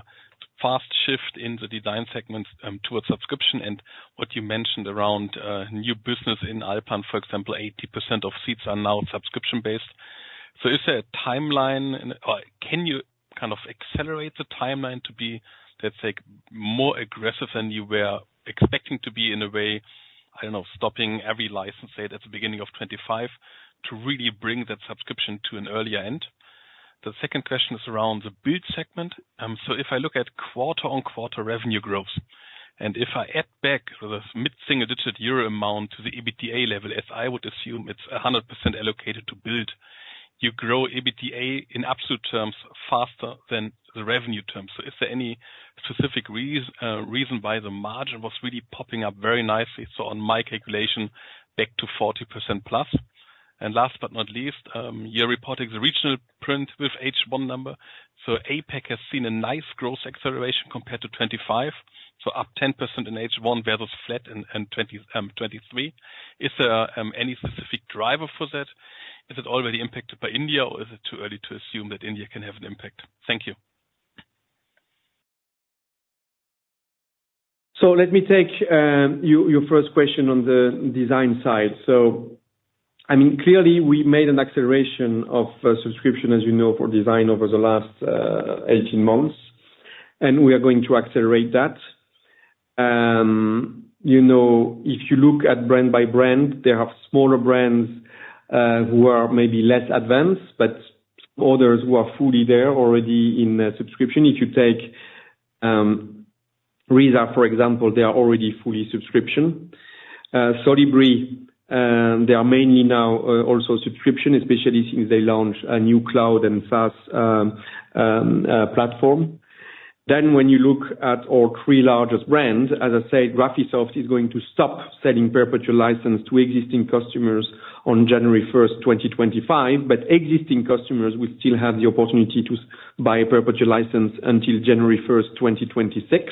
fast shift in the Design segments towards subscription and what you mentioned around new business in Allplan, for example, 80% of seats are now subscription-based. So is there a timeline, or can you kind of accelerate the timeline to be, let's say, more aggressive than you were expecting to be in a way, I don't know, stopping every license, say, at the beginning of 2025 to really bring that subscription to an earlier end? The second question is around the Build segment. So if I look at quarter-on-quarter revenue growth, and if I add back the mid-single-digit euro amount to the EBITDA level, as I would assume it's 100% allocated to Build, you grow EBITDA in absolute terms faster than the revenue terms. So is there any specific reason why the margin was really popping up very nicely, so on my calculation, back to 40%+? And last but not least, you're reporting the regional print with H1 number. So APAC has seen a nice growth acceleration compared to 2025, so up 10% in H1 versus flat in 2023. Is there any specific driver for that? Is it already impacted by India, or is it too early to assume that India can have an impact? Thank you. So let me take your first question on the Design side. So I mean, clearly, we made an acceleration of subscription, as you know, for Design over the last 18 months, and we are going to accelerate that. If you look at brand by brand, there are smaller brands who are maybe less advanced, but others who are fully there already in subscription. If you take RISA, for example, they are already fully subscription. Solibri, they are mainly now also subscription, especially since they launch a new cloud and SaaS platform. Then when you look at our three largest brands, as I said, Graphisoft is going to stop selling perpetual license to existing customers on January 1st, 2025, but existing customers will still have the opportunity to buy a perpetual license until January 1st, 2026.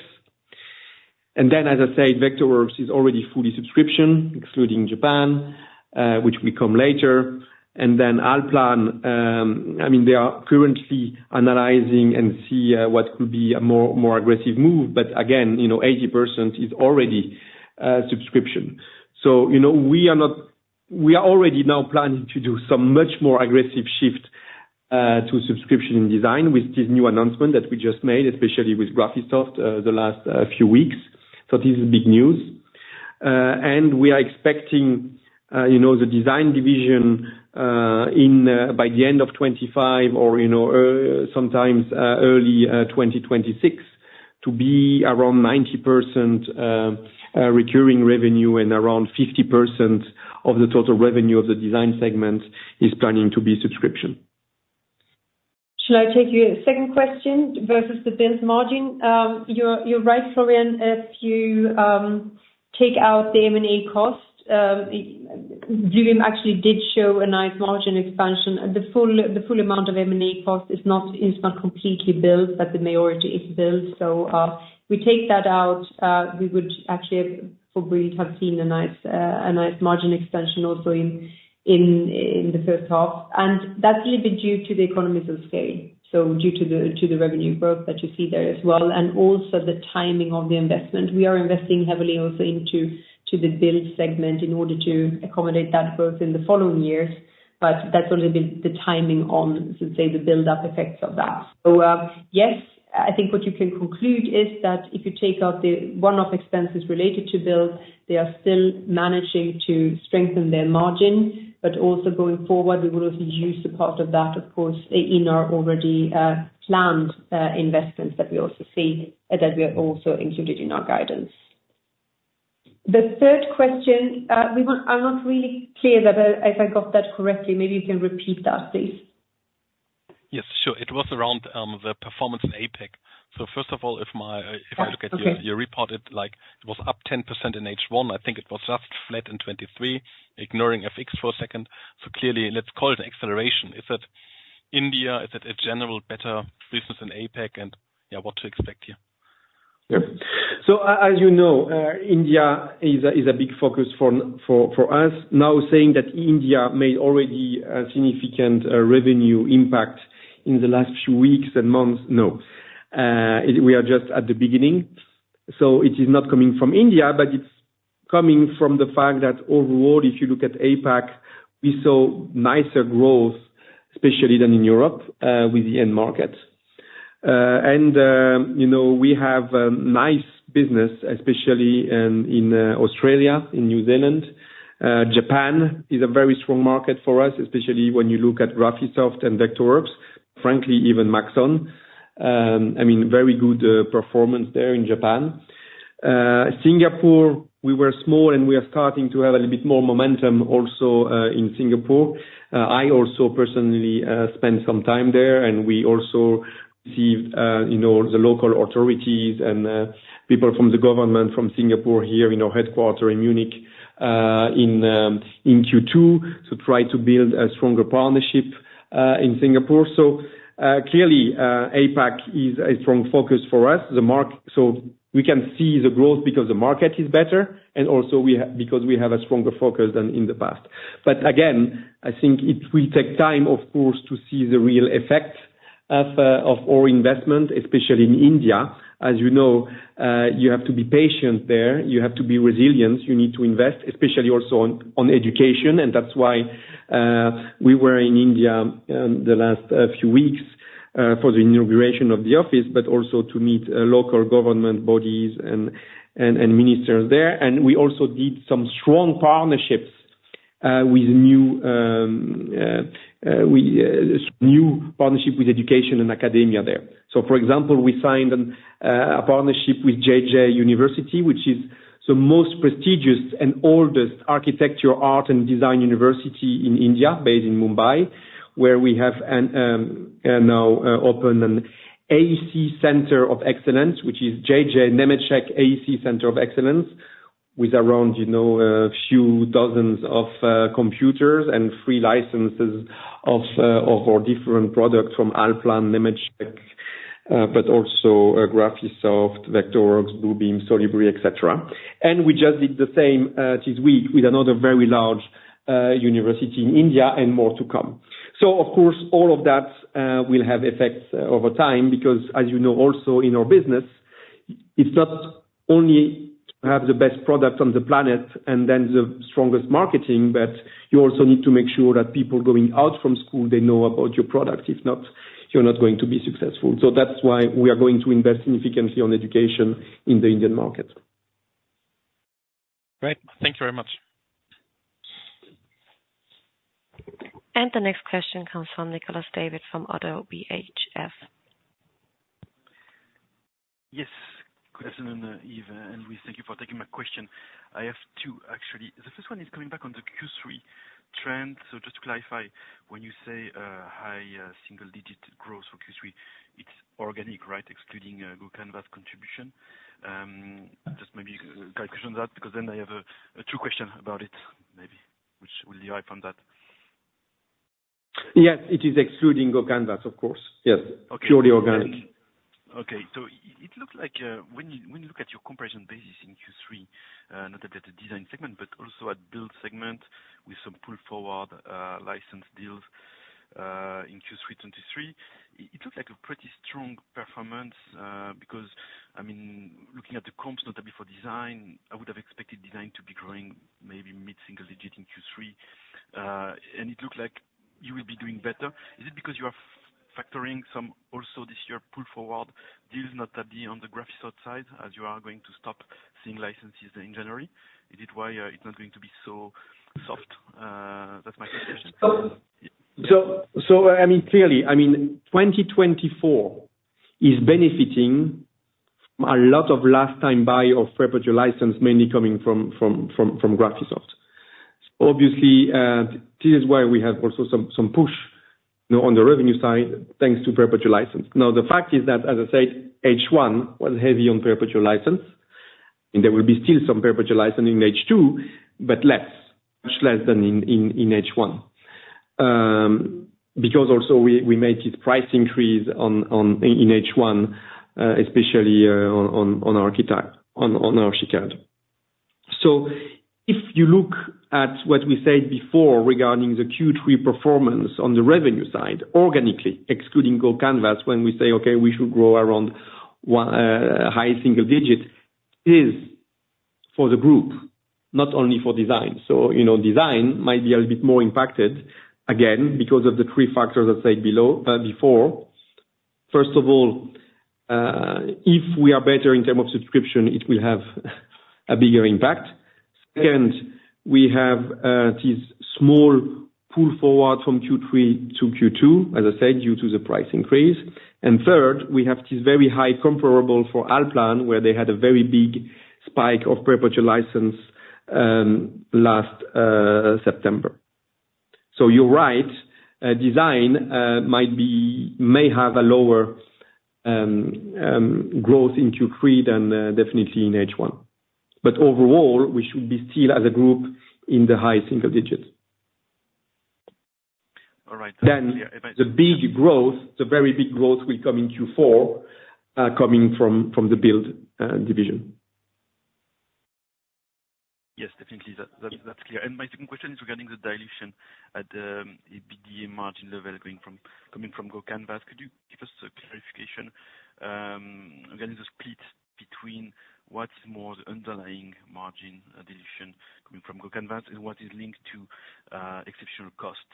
And then, as I said, Vectorworks is already fully subscription, excluding Japan, which will come later. And then Allplan, I mean, they are currently analyzing and see what could be a more aggressive move. But again, 80% is already subscription. So we are already now planning to do some much more aggressive shift to subscription in Design with this new announcement that we just made, especially with Graphisoft the last few weeks. So this is big news. And we are expecting the Design division by the end of 2025 or sometimes early 2026 to be around 90% recurring revenue and around 50% of the total revenue of the Design segment is planning to be subscription. Shall I take you a second question versus the Build margin? You're right, Florian, if you take out the M&A cost, Bluebeam actually did show a nice margin expansion. The full amount of M&A cost is not completely built, but the majority is built. So we take that out. We would actually have for Bluebeam have seen a nice margin extension also in the first half. And that's a little bit due to the economies of scale, so due to the revenue growth that you see there as well, and also the timing of the investment. We are investing heavily also into the Build segment in order to accommodate that growth in the following years, but that's already been the timing on, let's say, the build-up effects of that. So yes, I think what you can conclude is that if you take out the one-off expenses related to Build, they are still managing to strengthen their margin, but also going forward, we will also use a part of that, of course, in our already planned investments that we also see that we are also included in our guidance. The third question, I'm not really clear if I got that correctly, maybe you can repeat that, please. Yes, sure. It was around the performance in APAC. So first of all, if I look at your report, it was up 10% in H1. I think it was just flat in 2023, ignoring FX for a second. So clearly, let's call it an acceleration. Is it India? Is it a general better business in APAC? And yeah, what to expect here? Yeah. So as you know, India is a big focus for us. Now saying that India made already a significant revenue impact in the last few weeks and months, no. We are just at the beginning. So it is not coming from India, but it's coming from the fact that overall, if you look at APAC, we saw nicer growth, especially than in Europe with the end market. We have a nice business, especially in Australia, in New Zealand. Japan is a very strong market for us, especially when you look at Graphisoft and Vectorworks, frankly, even Maxon. I mean, very good performance there in Japan. Singapore, we were small, and we are starting to have a little bit more momentum also in Singapore. I also personally spent some time there, and we also received the local authorities and people from the government from Singapore here in our headquarters in Munich in Q2 to try to build a stronger partnership in Singapore. So clearly, APAC is a strong focus for us. So we can see the growth because the market is better and also because we have a stronger focus than in the past. But again, I think it will take time, of course, to see the real effect of our investment, especially in India. As you know, you have to be patient there. You have to be resilient. You need to invest, especially also on education. That's why we were in India the last few weeks for the inauguration of the office, but also to meet local government bodies and ministers there. We also did some strong partnerships with new partnership with education and academia there. For example, we signed a partnership with J.J. University, which is the most prestigious and oldest architecture, art, and design university in India based in Mumbai, where we have now opened an AEC Center of Excellence, which is J.J. Nemetschek AEC Center of Excellence with around a few dozens of computers and free licenses of our different products from Allplan Nemetschek, but also Graphisoft, Vectorworks, Bluebeam, Solibri, etc. We just did the same this week with another very large university in India and more to come. Of course, all of that will have effects over time because, as you know, also in our business, it's not only to have the best product on the planet and then the strongest marketing, but you also need to make sure that people going out from school, they know about your product. If not, you're not going to be successful. That's why we are going to invest significantly on education in the Indian market. Great. Thank you very much. The next question comes from Nicolas David from Oddo BHF. Yes. Good afternoon, Yves. Thank you for taking my question. I have two, actually. The first one is coming back on the Q3 trend. So just to clarify, when you say high single-digit growth for Q3, it's organic, right, excluding GoCanvas contribution? Just maybe clarification on that because then I have two questions about it, maybe, which will derive from that. Yes, it is excluding GoCanvas, of course. Yes. Purely organic. Okay. So it looks like when you look at your comparison basis in Q3, not only at the Design segment, but also at Build segment with some pull-forward license deals in Q3 2023, it looked like a pretty strong performance because, I mean, looking at the comps, notably for Design, I would have expected Design to be growing maybe mid-single-digit in Q3. And it looked like you will be doing better. Is it because you are factoring some also this year pull-forward deals, notably on the Graphisoft side, as you are going to stop seeing licenses in January? Is it why it's not going to be so soft? That's my question. So I mean, clearly, I mean, 2024 is benefiting from a lot of last-time buy of perpetual license, mainly coming from Graphisoft. So obviously, this is why we have also some push on the revenue side thanks to perpetual license. Now, the fact is that, as I said, H1 was heavy on perpetual license. And there will be still some perpetual license in H2, but less, much less than in H1 because also we made this price increase in H1, especially on our Archicad. So if you look at what we said before regarding the Q3 performance on the revenue side, organically, excluding GoCanvas, when we say, "Okay, we should grow around high single-digit," it is for the group, not only for Design. So Design might be a little bit more impacted, again, because of the three factors I said before. First of all, if we are better in terms of subscription, it will have a bigger impact. Second, we have this small pull-forward from Q3-Q2, as I said, due to the price increase. And third, we have this very high comparable for Allplan, where they had a very big spike of perpetual license last September. So you're right, Design may have a lower growth in Q3 than definitely in H1. But overall, we should be still, as a group, in the high single-digit. Then the big growth, the very big growth will come in Q4 coming from the Build division. Yes, definitely. That's clear. And my second question is regarding the dilution at the EBITDA margin level coming from GoCanvas. Could you give us a clarification regarding the split between what's more the underlying margin dilution coming from GoCanvas and what is linked to exceptional cost?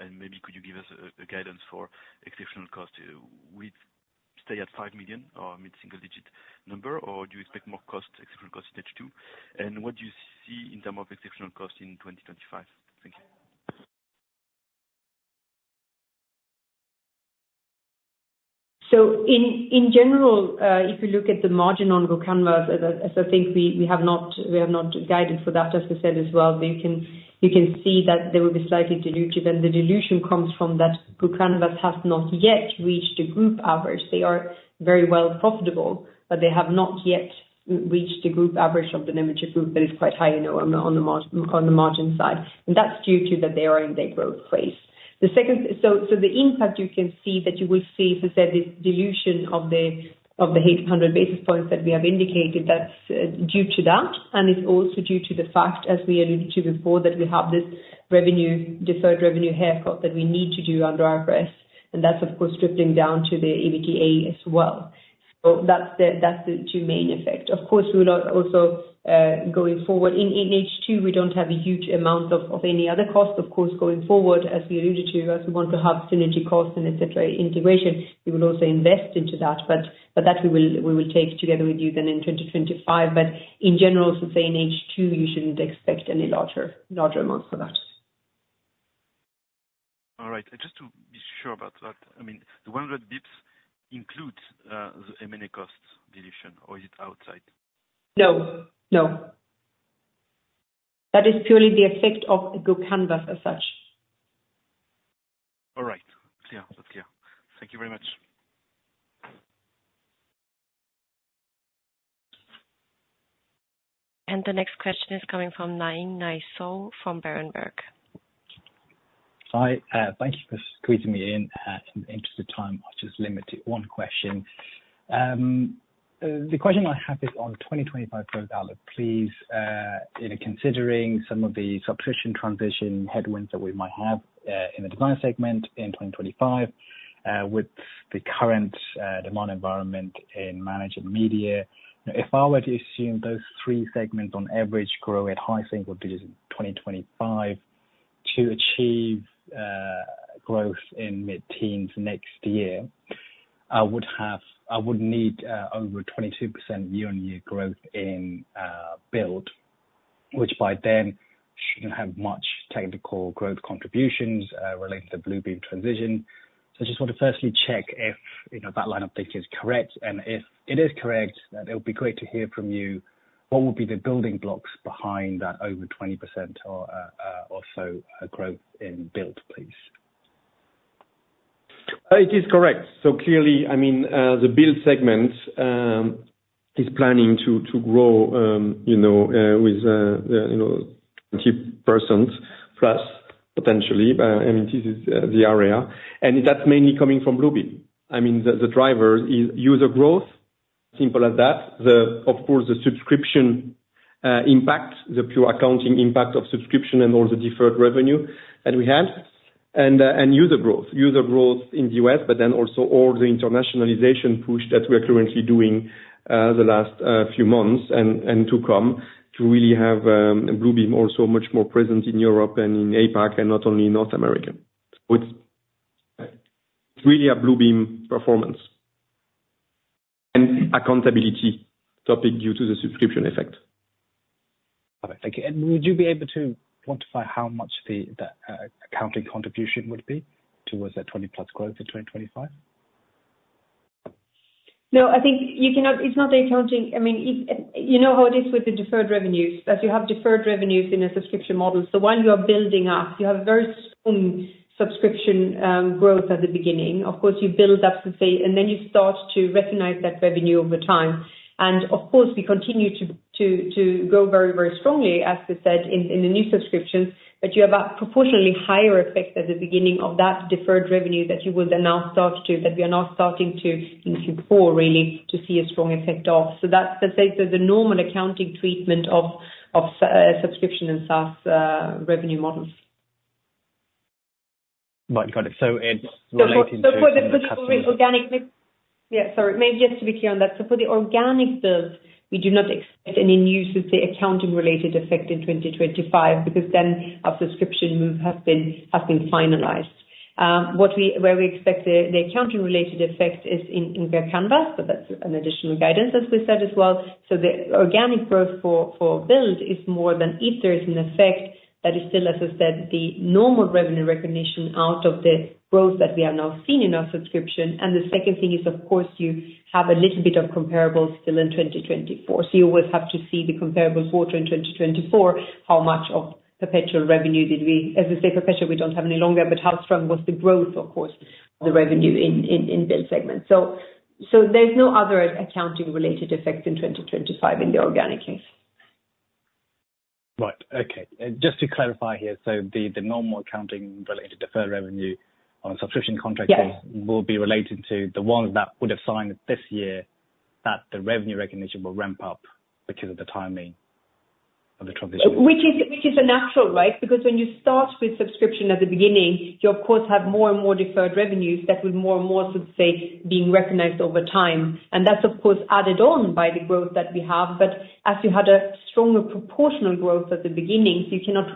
And maybe could you give us a guidance for exceptional cost? We stay at 5 million or mid-single-digit number, or do you expect more exceptional cost in H2? And what do you see in terms of exceptional cost in 2025? Thank you. So in general, if you look at the margin on GoCanvas, as I think we have not guided for that, as we said as well, you can see that there will be slightly dilution. And the dilution comes from that GoCanvas has not yet reached the group average. They are very well profitable, but they have not yet reached the group average of the Nemetschek Group that is quite high on the margin side. That's due to that they are in their growth phase. So the impact you can see that you will see, as I said, this dilution of the 800 basis points that we have indicated, that's due to that. And it's also due to the fact, as we alluded to before, that we have this deferred revenue haircut that we need to do under IFRS. And that's, of course, dribbling down to the EBITDA as well. So that's the two main effects. Of course, we'll also going forward in H2, we don't have a huge amount of any other cost. Of course, going forward, as we alluded to, as we want to have synergy costs and etc., integration, we will also invest into that. But that we will take together with you then in 2025. But in general, I would say in H2, you shouldn't expect any larger amounts for that. All right. And just to be sure about that, I mean, the 100 basis points include the M&A cost dilution, or is it outside? No. No. That is purely the effect of GoCanvas as such. All right. Clear. That's clear. Thank you very much. And the next question is coming from Nay Soe Naing from Berenberg. Hi. Thank you for squeezing me in in the interest of time. I'll just limit it to one question. The question I have is on 2025 growth outlook, please. Considering some of the substitution transition headwinds that we might have in the Design segment in 2025 with the current demand environment Manage and Media, if I were to assume those three segments on average grow at high single digits in 2025 to achieve growth in mid-teens next year, I would need over 22% year-on-year growth in Build, which by then shouldn't have much technical growth contributions related to Bluebeam transition. So I just want to firstly check if that line of thinking is correct. If it is correct, it'll be great to hear from you what would be the building blocks behind that over 20% or so growth in Build, please. It is correct. So clearly, I mean, the Build segment is planning to grow with 20% plus potentially. I mean, this is the area. And that's mainly coming from Bluebeam. I mean, the driver is user growth, simple as that. Of course, the subscription impact, the pure accounting impact of subscription and all the deferred revenue that we had, and user growth. User growth in the U.S., but then also all the internationalization push that we are currently doing the last few months and to come to really have Bluebeam also much more present in Europe and in APAC and not only in North America. So it's really a Bluebeam performance and accountability topic due to the subscription effect. Perfect. Thank you. And would you be able to quantify how much the accounting contribution would be towards that 20+ growth in 2025? No, I think it's not the accounting. I mean, you know how it is with the deferred revenues. As you have deferred revenues in a subscription model, so while you are building up, you have very strong subscription growth at the beginning. Of course, you build up, and then you start to recognize that revenue over time. And of course, we continue to grow very, very strongly, as we said, in the new subscriptions, but you have a proportionally higher effect at the beginning of that deferred revenue that you will then now start to, that we are now starting to in Q4, really, to see a strong effect of. So that's the normal accounting treatment of subscription and SaaS revenue models. Right. Got it. So it's related to the subscription. Yeah. Sorry. Maybe just to be clear on that. So for the organic Build, we do not expect any new, so to say, accounting-related effect in 2025 because then our subscription move has been finalized. Where we expect the accounting-related effect is in GoCanvas, but that's an additional guidance, as we said as well. So the organic growth for Build is more than if there is an effect that is still, as I said, the normal revenue recognition out of the growth that we have now seen in our subscription. And the second thing is, of course, you have a little bit of comparables still in 2024. So you always have to see the comparable quarter in 2024, how much of perpetual revenue did we, as I say, perpetual, we don't have any longer, but how strong was the growth, of course, of the revenue in Build segment. So there's no other accounting-related effect in 2025 in the organic case. Right. Okay. Just to clarify here, so the normal accounting-related deferred revenue on a subscription contract will be related to the ones that would have signed this year that the revenue recognition will ramp up because of the timing of the transition. Which is a natural, right? Because when you start with subscription at the beginning, you, of course, have more and more deferred revenues that will more and more, so to say, be recognized over time. And that's, of course, added on by the growth that we have. But as you had a stronger proportional growth at the beginning, so you cannot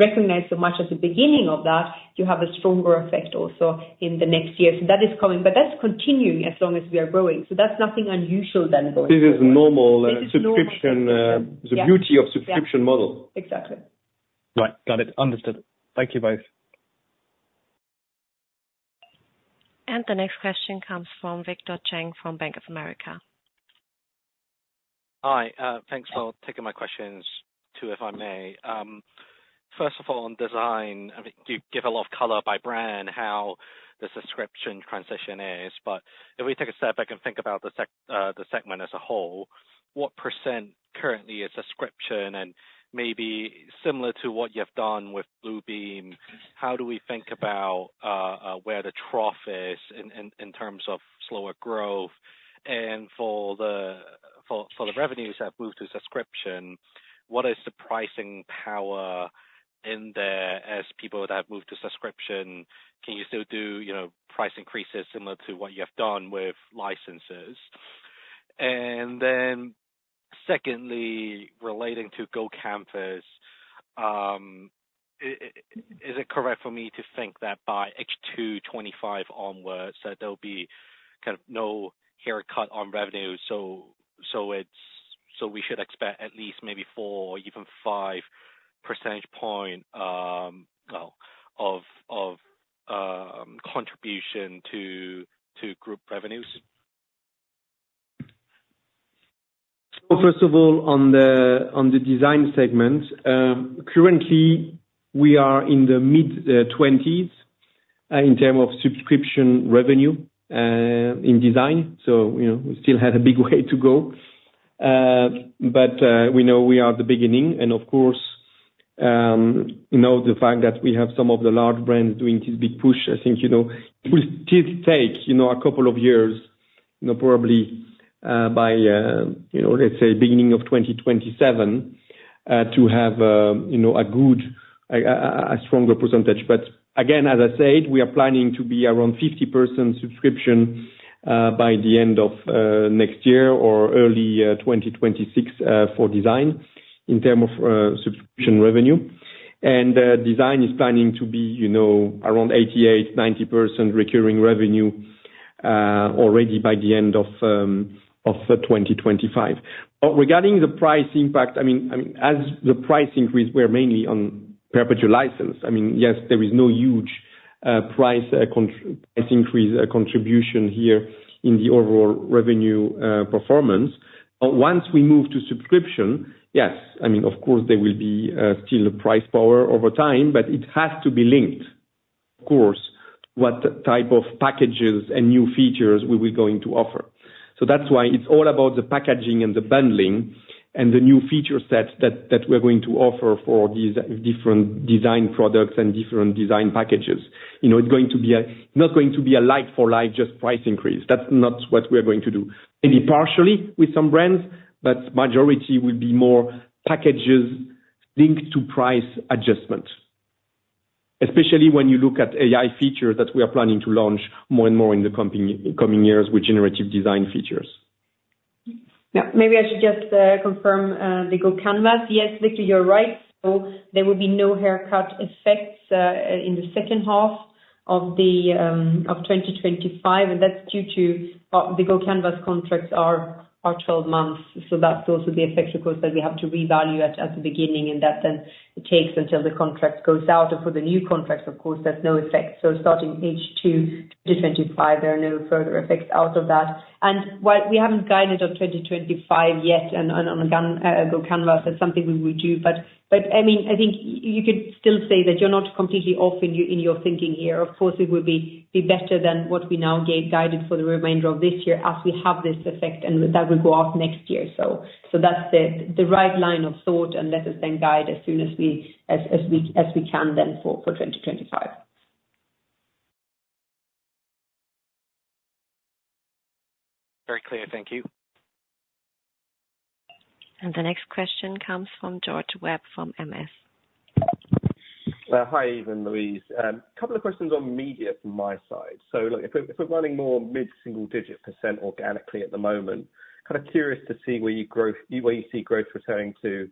recognize so much at the beginning of that, you have a stronger effect also in the next year. So that is coming, but that's continuing as long as we are growing. So that's nothing unusual then going forward. This is normal. This is the beauty of subscription model. Exactly. Right. Got it. Understood. Thank you both. And the next question comes from Victor Cheng from Bank of America. Hi. Thanks for taking my questions too, if I may. First of all, on Design, I mean, you give a lot of color by brand how the subscription transition is. But if we take a step back and think about the segment as a whole, what percent currently is subscription? And maybe similar to what you've done with Bluebeam, how do we think about where the trough is in terms of slower growth? And for the revenues that have moved to subscription, what is the pricing power in there as people that have moved to subscription? Can you still do price increases similar to what you have done with licenses? And then secondly, relating to GoCanvas, is it correct for me to think that by H2 2025 onwards, that there'll be kind of no haircut on revenue? So we should expect at least maybe 4 or even 5 percentage points of contribution to group revenues? Well, first of all, on the Design segment, currently, we are in the mid-20s in terms of subscription revenue in Design. So we still have a big way to go. But we know we are at the beginning. And of course, the fact that we have some of the large brands doing this big push, I think it will still take a couple of years, probably by, let's say, beginning of 2027, to have a good, a stronger percentage. But again, as I said, we are planning to be around 50% subscription by the end of next year or early 2026 for Design in terms of subscription revenue. And Design is planning to be around 88%-90% recurring revenue already by the end of 2025. But regarding the price impact, I mean, as the price increase, we're mainly on perpetual license. I mean, yes, there is no huge price increase contribution here in the overall revenue performance. But once we move to subscription, yes, I mean, of course, there will be still price power over time, but it has to be linked, of course, to what type of packages and new features we will going to offer. So that's why it's all about the packaging and the bundling and the new feature sets that we're going to offer for these different Design products and different Design packages. It's not going to be a like-for-like, just price increase. That's not what we're going to do. Maybe partially with some brands, but majority will be more packages linked to price adjustment, especially when you look at AI features that we are planning to launch more and more in the coming years with generative Design features. Maybe I should just confirm the GoCanvas. Yes, Victor, you're right. So there will be no haircut effects in the second half of 2025. And that's due to the GoCanvas contracts are 12 months. So that's also the effect, of course, that we have to revalue at the beginning and that then takes until the contract goes out. And for the new contracts, of course, there's no effect. So starting H2 2025, there are no further effects out of that. While we haven't guided on 2025 yet on GoCanvas, that's something we will do. But I mean, I think you could still say that you're not completely off in your thinking here. Of course, it will be better than what we now guided for the remainder of this year as we have this effect, and that will go out next year. So that's the right line of thought, and let us then guide as soon as we can then for 2025. Very clear. Thank you. And the next question comes from George Webb from MS. Hi, Yves, Louise. A couple of questions on Media from my side. So look, if we're running more mid-single-digit percent organically at the moment, kind of curious to see where you see growth returning to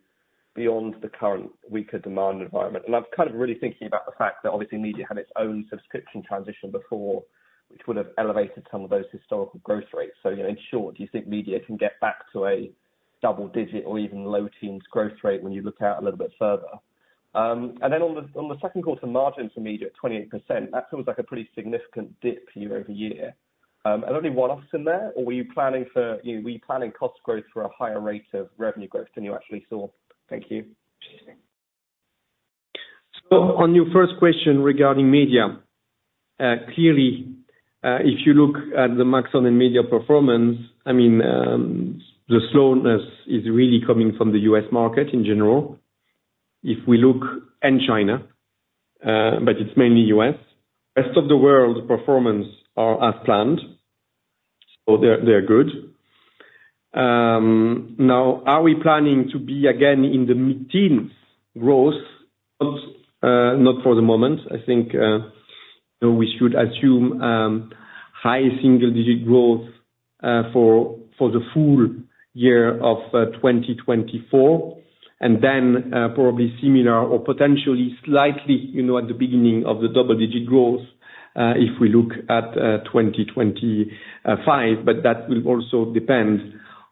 beyond the current weaker demand environment. I've kind of really thinking about the fact that obviously Media had its own subscription transition before, which would have elevated some of those historical growth rates. So in short, do you think Media can get back to a double-digit or even low-teens growth rate when you look out a little bit further? Then on the second quarter, margins for Media at 28%, that feels like a pretty significant dip year-over-year. And only one office in there, or were you planning cost growth for a higher rate of revenue growth than you actually saw? Thank you. On your first question regarding Media, clearly, if you look at the Maxon and Media performance, I mean, the slowness is really coming from the U.S. market in general. If we look in China, but it's mainly U.S., rest of the world's performance are as planned, so they're good. Now, are we planning to be again in the mid-teens growth? Not for the moment. I think we should assume high single-digit growth for the full year of 2024, and then probably similar or potentially slightly at the beginning of the double-digit growth if we look at 2025. But that will also depend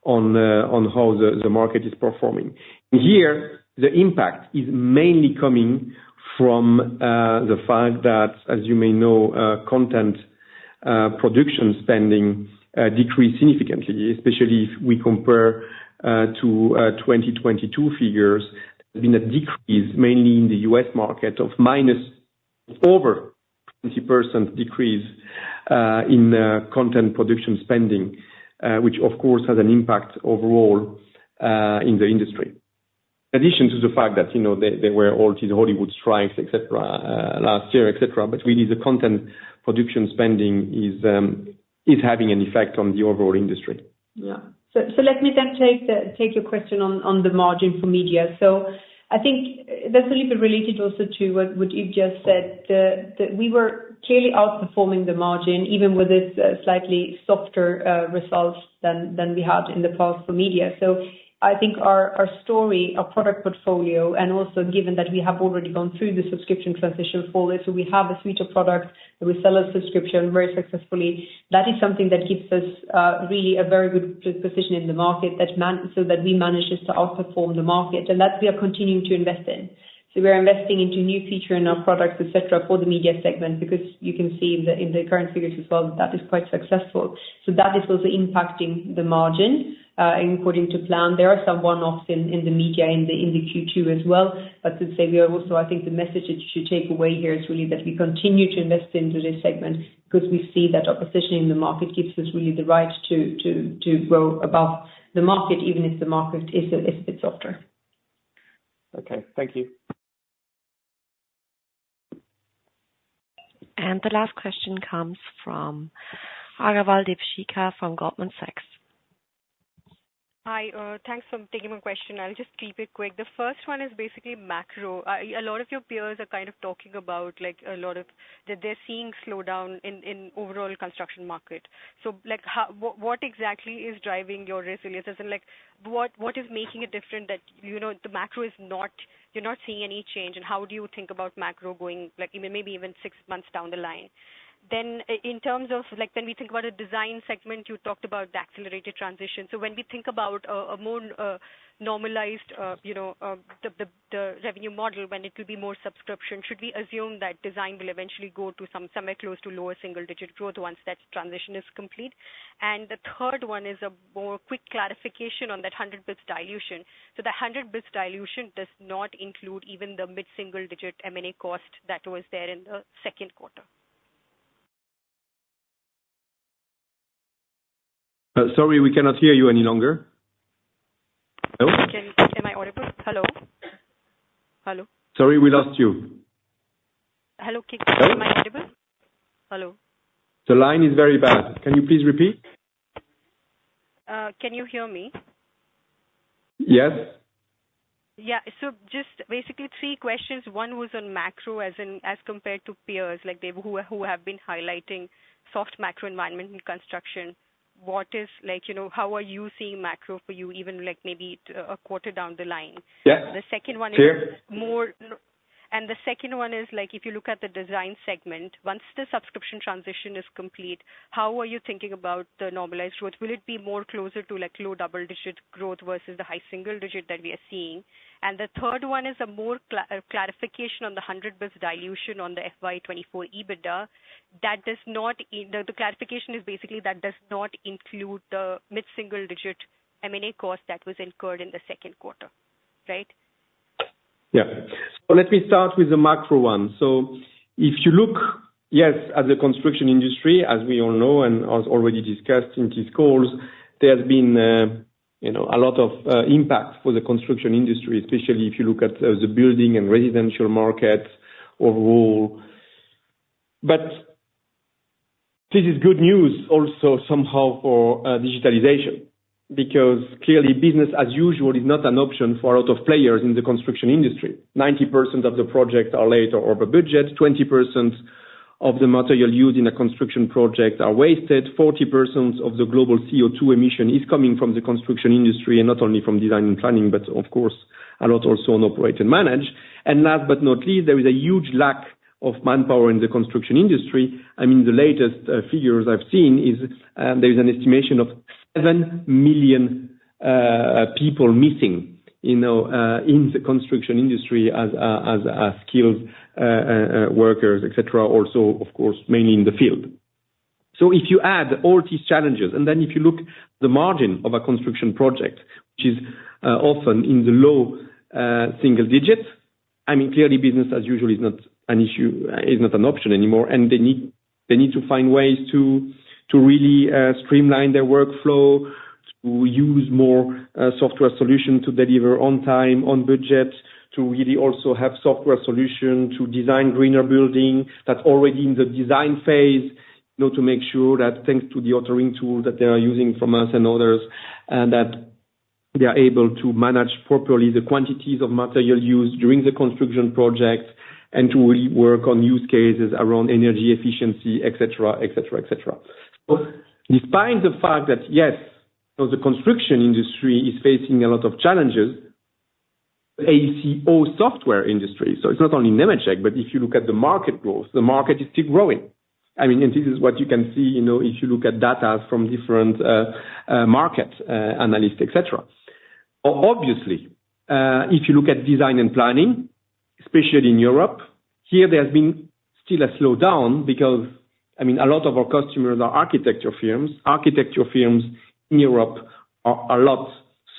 on how the market is performing. Here, the impact is mainly coming from the fact that, as you may know, content production spending decreased significantly, especially if we compare to 2022 figures. There's been a decrease mainly in the U.S. market of minus over 20% decrease in content production spending, which, of course, has an impact overall in the industry. In addition to the fact that there were all these Hollywood strikes, etc., last year, etc., but really the content production spending is having an effect on the overall industry. Yeah. So let me then take your question on the margin for Media. So I think that's a little bit related also to what you've just said, that we were clearly outperforming the margin, even with this slightly softer result than we had in the past for Media. So I think our story, our product portfolio, and also given that we have already gone through the subscription transition fully, so we have a suite of products that we sell as subscription very successfully, that is something that gives us really a very good position in the market so that we manage just to outperform the market. And that's what we are continuing to invest in. So we are investing into new features in our products, etc., for the Media segment because you can see in the current figures as well that that is quite successful. So that is also impacting the margin according to plan. There are some one-offs in the Media in the Q2 as well. But to say we are also, I think the message that you should take away here is really that we continue to invest into this segment because we see that our position in the market gives us really the right to grow above the market, even if the market is a bit softer. Okay. Thank you. And the last question comes from Agarwal Deepshikha from Goldman Sachs. Hi. Thanks for taking my question. I'll just keep it quick. The first one is basically macro. A lot of your peers are kind of talking about a lot, that they're seeing slowdown in overall construction market. So what exactly is driving your resilience? And what is making it different, that the macro is not—you're not seeing any change? And how do you think about macro going maybe even six months down the line? Then in terms of when we think about a Design segment, you talked about the accelerated transition. So when we think about a more normalized revenue model when it will be more subscription, should we assume that Design will eventually go to somewhere close to lower single-digit growth once that transition is complete? And the third one is a more quick clarification on that 100 basis points dilution. So the 100 basis points dilution does not include even the mid-single-digit M&A cost that was there in the second quarter. Sorry, we cannot hear you any longer. Hello? Hello? Hello? Sorry, we lost you. Hello. Hello? The line is very bad. Can you please repeat? Can you hear me? Yes. Yeah. So just basically three questions. One was on macro as compared to peers who have been highlighting soft macro environment in construction. What is how are you seeing macro for you even maybe a quarter down the line? The second one is more and the second one is if you look at the Design segment, once the subscription transition is complete, how are you thinking about the normalized growth? Will it be more closer to low double-digit growth versus the high single-digit that we are seeing? The third one is a clarification on the 100 basis points dilution on the FY 2024 EBITDA that does not include the mid-single-digit M&A cost that was incurred in the second quarter, right? Yeah. Let me start with the macro one. If you look, yes, at the construction industry, as we all know and already discussed in these calls, there has been a lot of impact for the construction industry, especially if you look at the building and residential market overall. This is good news also somehow for digitalization because clearly business as usual is not an option for a lot of players in the construction industry. 90% of the projects are later or over budget. 20% of the material used in a construction project are wasted. 40% of the global CO2 emission is coming from the construction industry and not only from design and planning, but of course, a lot also on operate and manage. Last but not least, there is a huge lack of manpower in the construction industry. I mean, the latest figures I've seen is there is an estimation of seven million people missing in the construction industry as skilled workers, etc., also, of course, mainly in the field. So if you add all these challenges, and then if you look at the margin of a construction project, which is often in the low single digits, I mean, clearly business as usual is not an issue, is not an option anymore. And they need to find ways to really streamline their workflow, to use more software solutions to deliver on time, on budget, to really also have software solutions to design greener building that's already in the design phase to make sure that thanks to the authoring tool that they are using from us and others, that they are able to manage properly the quantities of material used during the construction project and to really work on use cases around energy efficiency, etc., etc., etc. So despite the fact that, yes, the construction industry is facing a lot of challenges, the AEC/O software industry, so it's not only Nemetschek, but if you look at the market growth, the market is still growing. I mean, and this is what you can see if you look at data from different market analysts, etc. Obviously, if you look at design and planning, especially in Europe, here there has been still a slowdown because, I mean, a lot of our customers are architecture firms. Architecture firms in Europe are a lot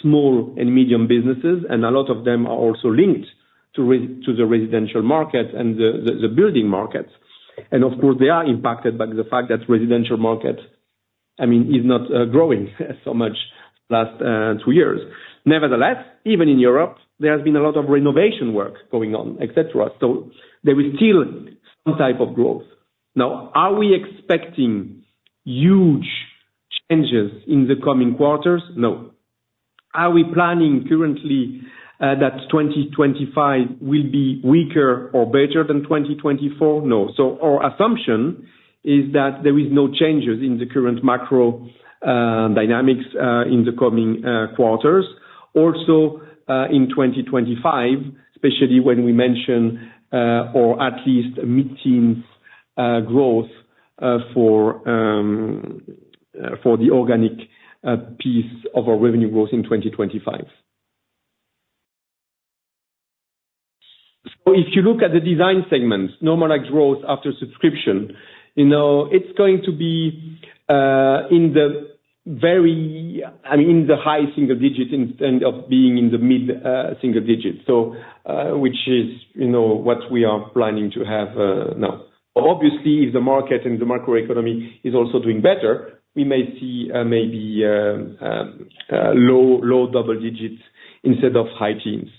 small and medium businesses, and a lot of them are also linked to the residential market and the building markets. Of course, they are impacted by the fact that the residential market, I mean, is not growing so much the last two years. Nevertheless, even in Europe, there has been a lot of renovation work going on, etc. So there is still some type of growth. Now, are we expecting huge changes in the coming quarters? No. Are we planning currently that 2025 will be weaker or better than 2024? No. So our assumption is that there are no changes in the current macro dynamics in the coming quarters. Also, in 2025, especially when we mention or at least mid-teens growth for the organic piece of our revenue growth in 2025. So if you look at the Design segments, normalized growth after subscription, it's going to be in the very, I mean, in the high single digit instead of being in the mid single digit, which is what we are planning to have now. Obviously, if the market and the macro economy is also doing better, we may see maybe low double digits instead of high teens.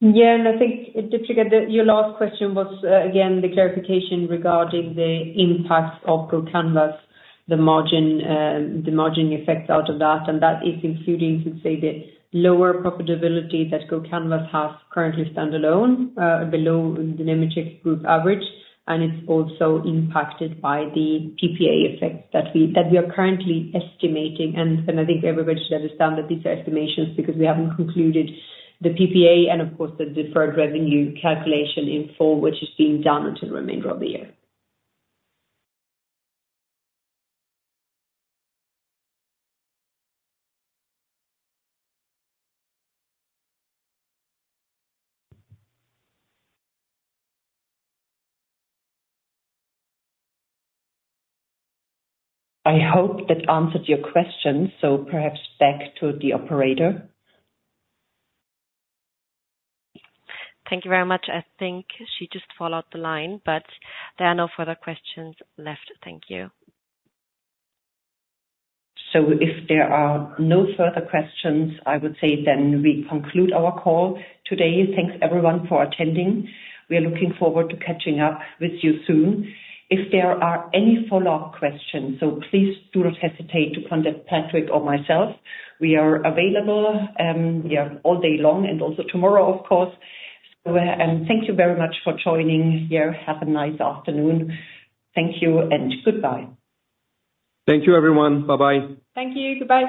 Yeah. And I think, Deepshikha, your last question was, again, the clarification regarding the impact of GoCanvas, the margin effect out of that. And that is including, to say, the lower profitability that GoCanvas has currently standalone below the Nemetschek Group average. And it's also impacted by the PPA effect that we are currently estimating. I think everybody should understand that these are estimations because we haven't concluded the PPA and, of course, the deferred revenue calculation in full, which is being done until the remainder of the year. I hope that answered your questions. Perhaps back to the operator. Thank you very much. I think she just followed the line, but there are no further questions left. Thank you. If there are no further questions, I would say then we conclude our call today. Thanks, everyone, for attending. We are looking forward to catching up with you soon. If there are any follow-up questions, so please do not hesitate to contact Patrick or myself. We are available all day long and also tomorrow, of course. Thank you very much for joining here. Have a nice afternoon. Thank you and goodbye. Thank you, everyone. Bye-bye. Thank you. Goodbye.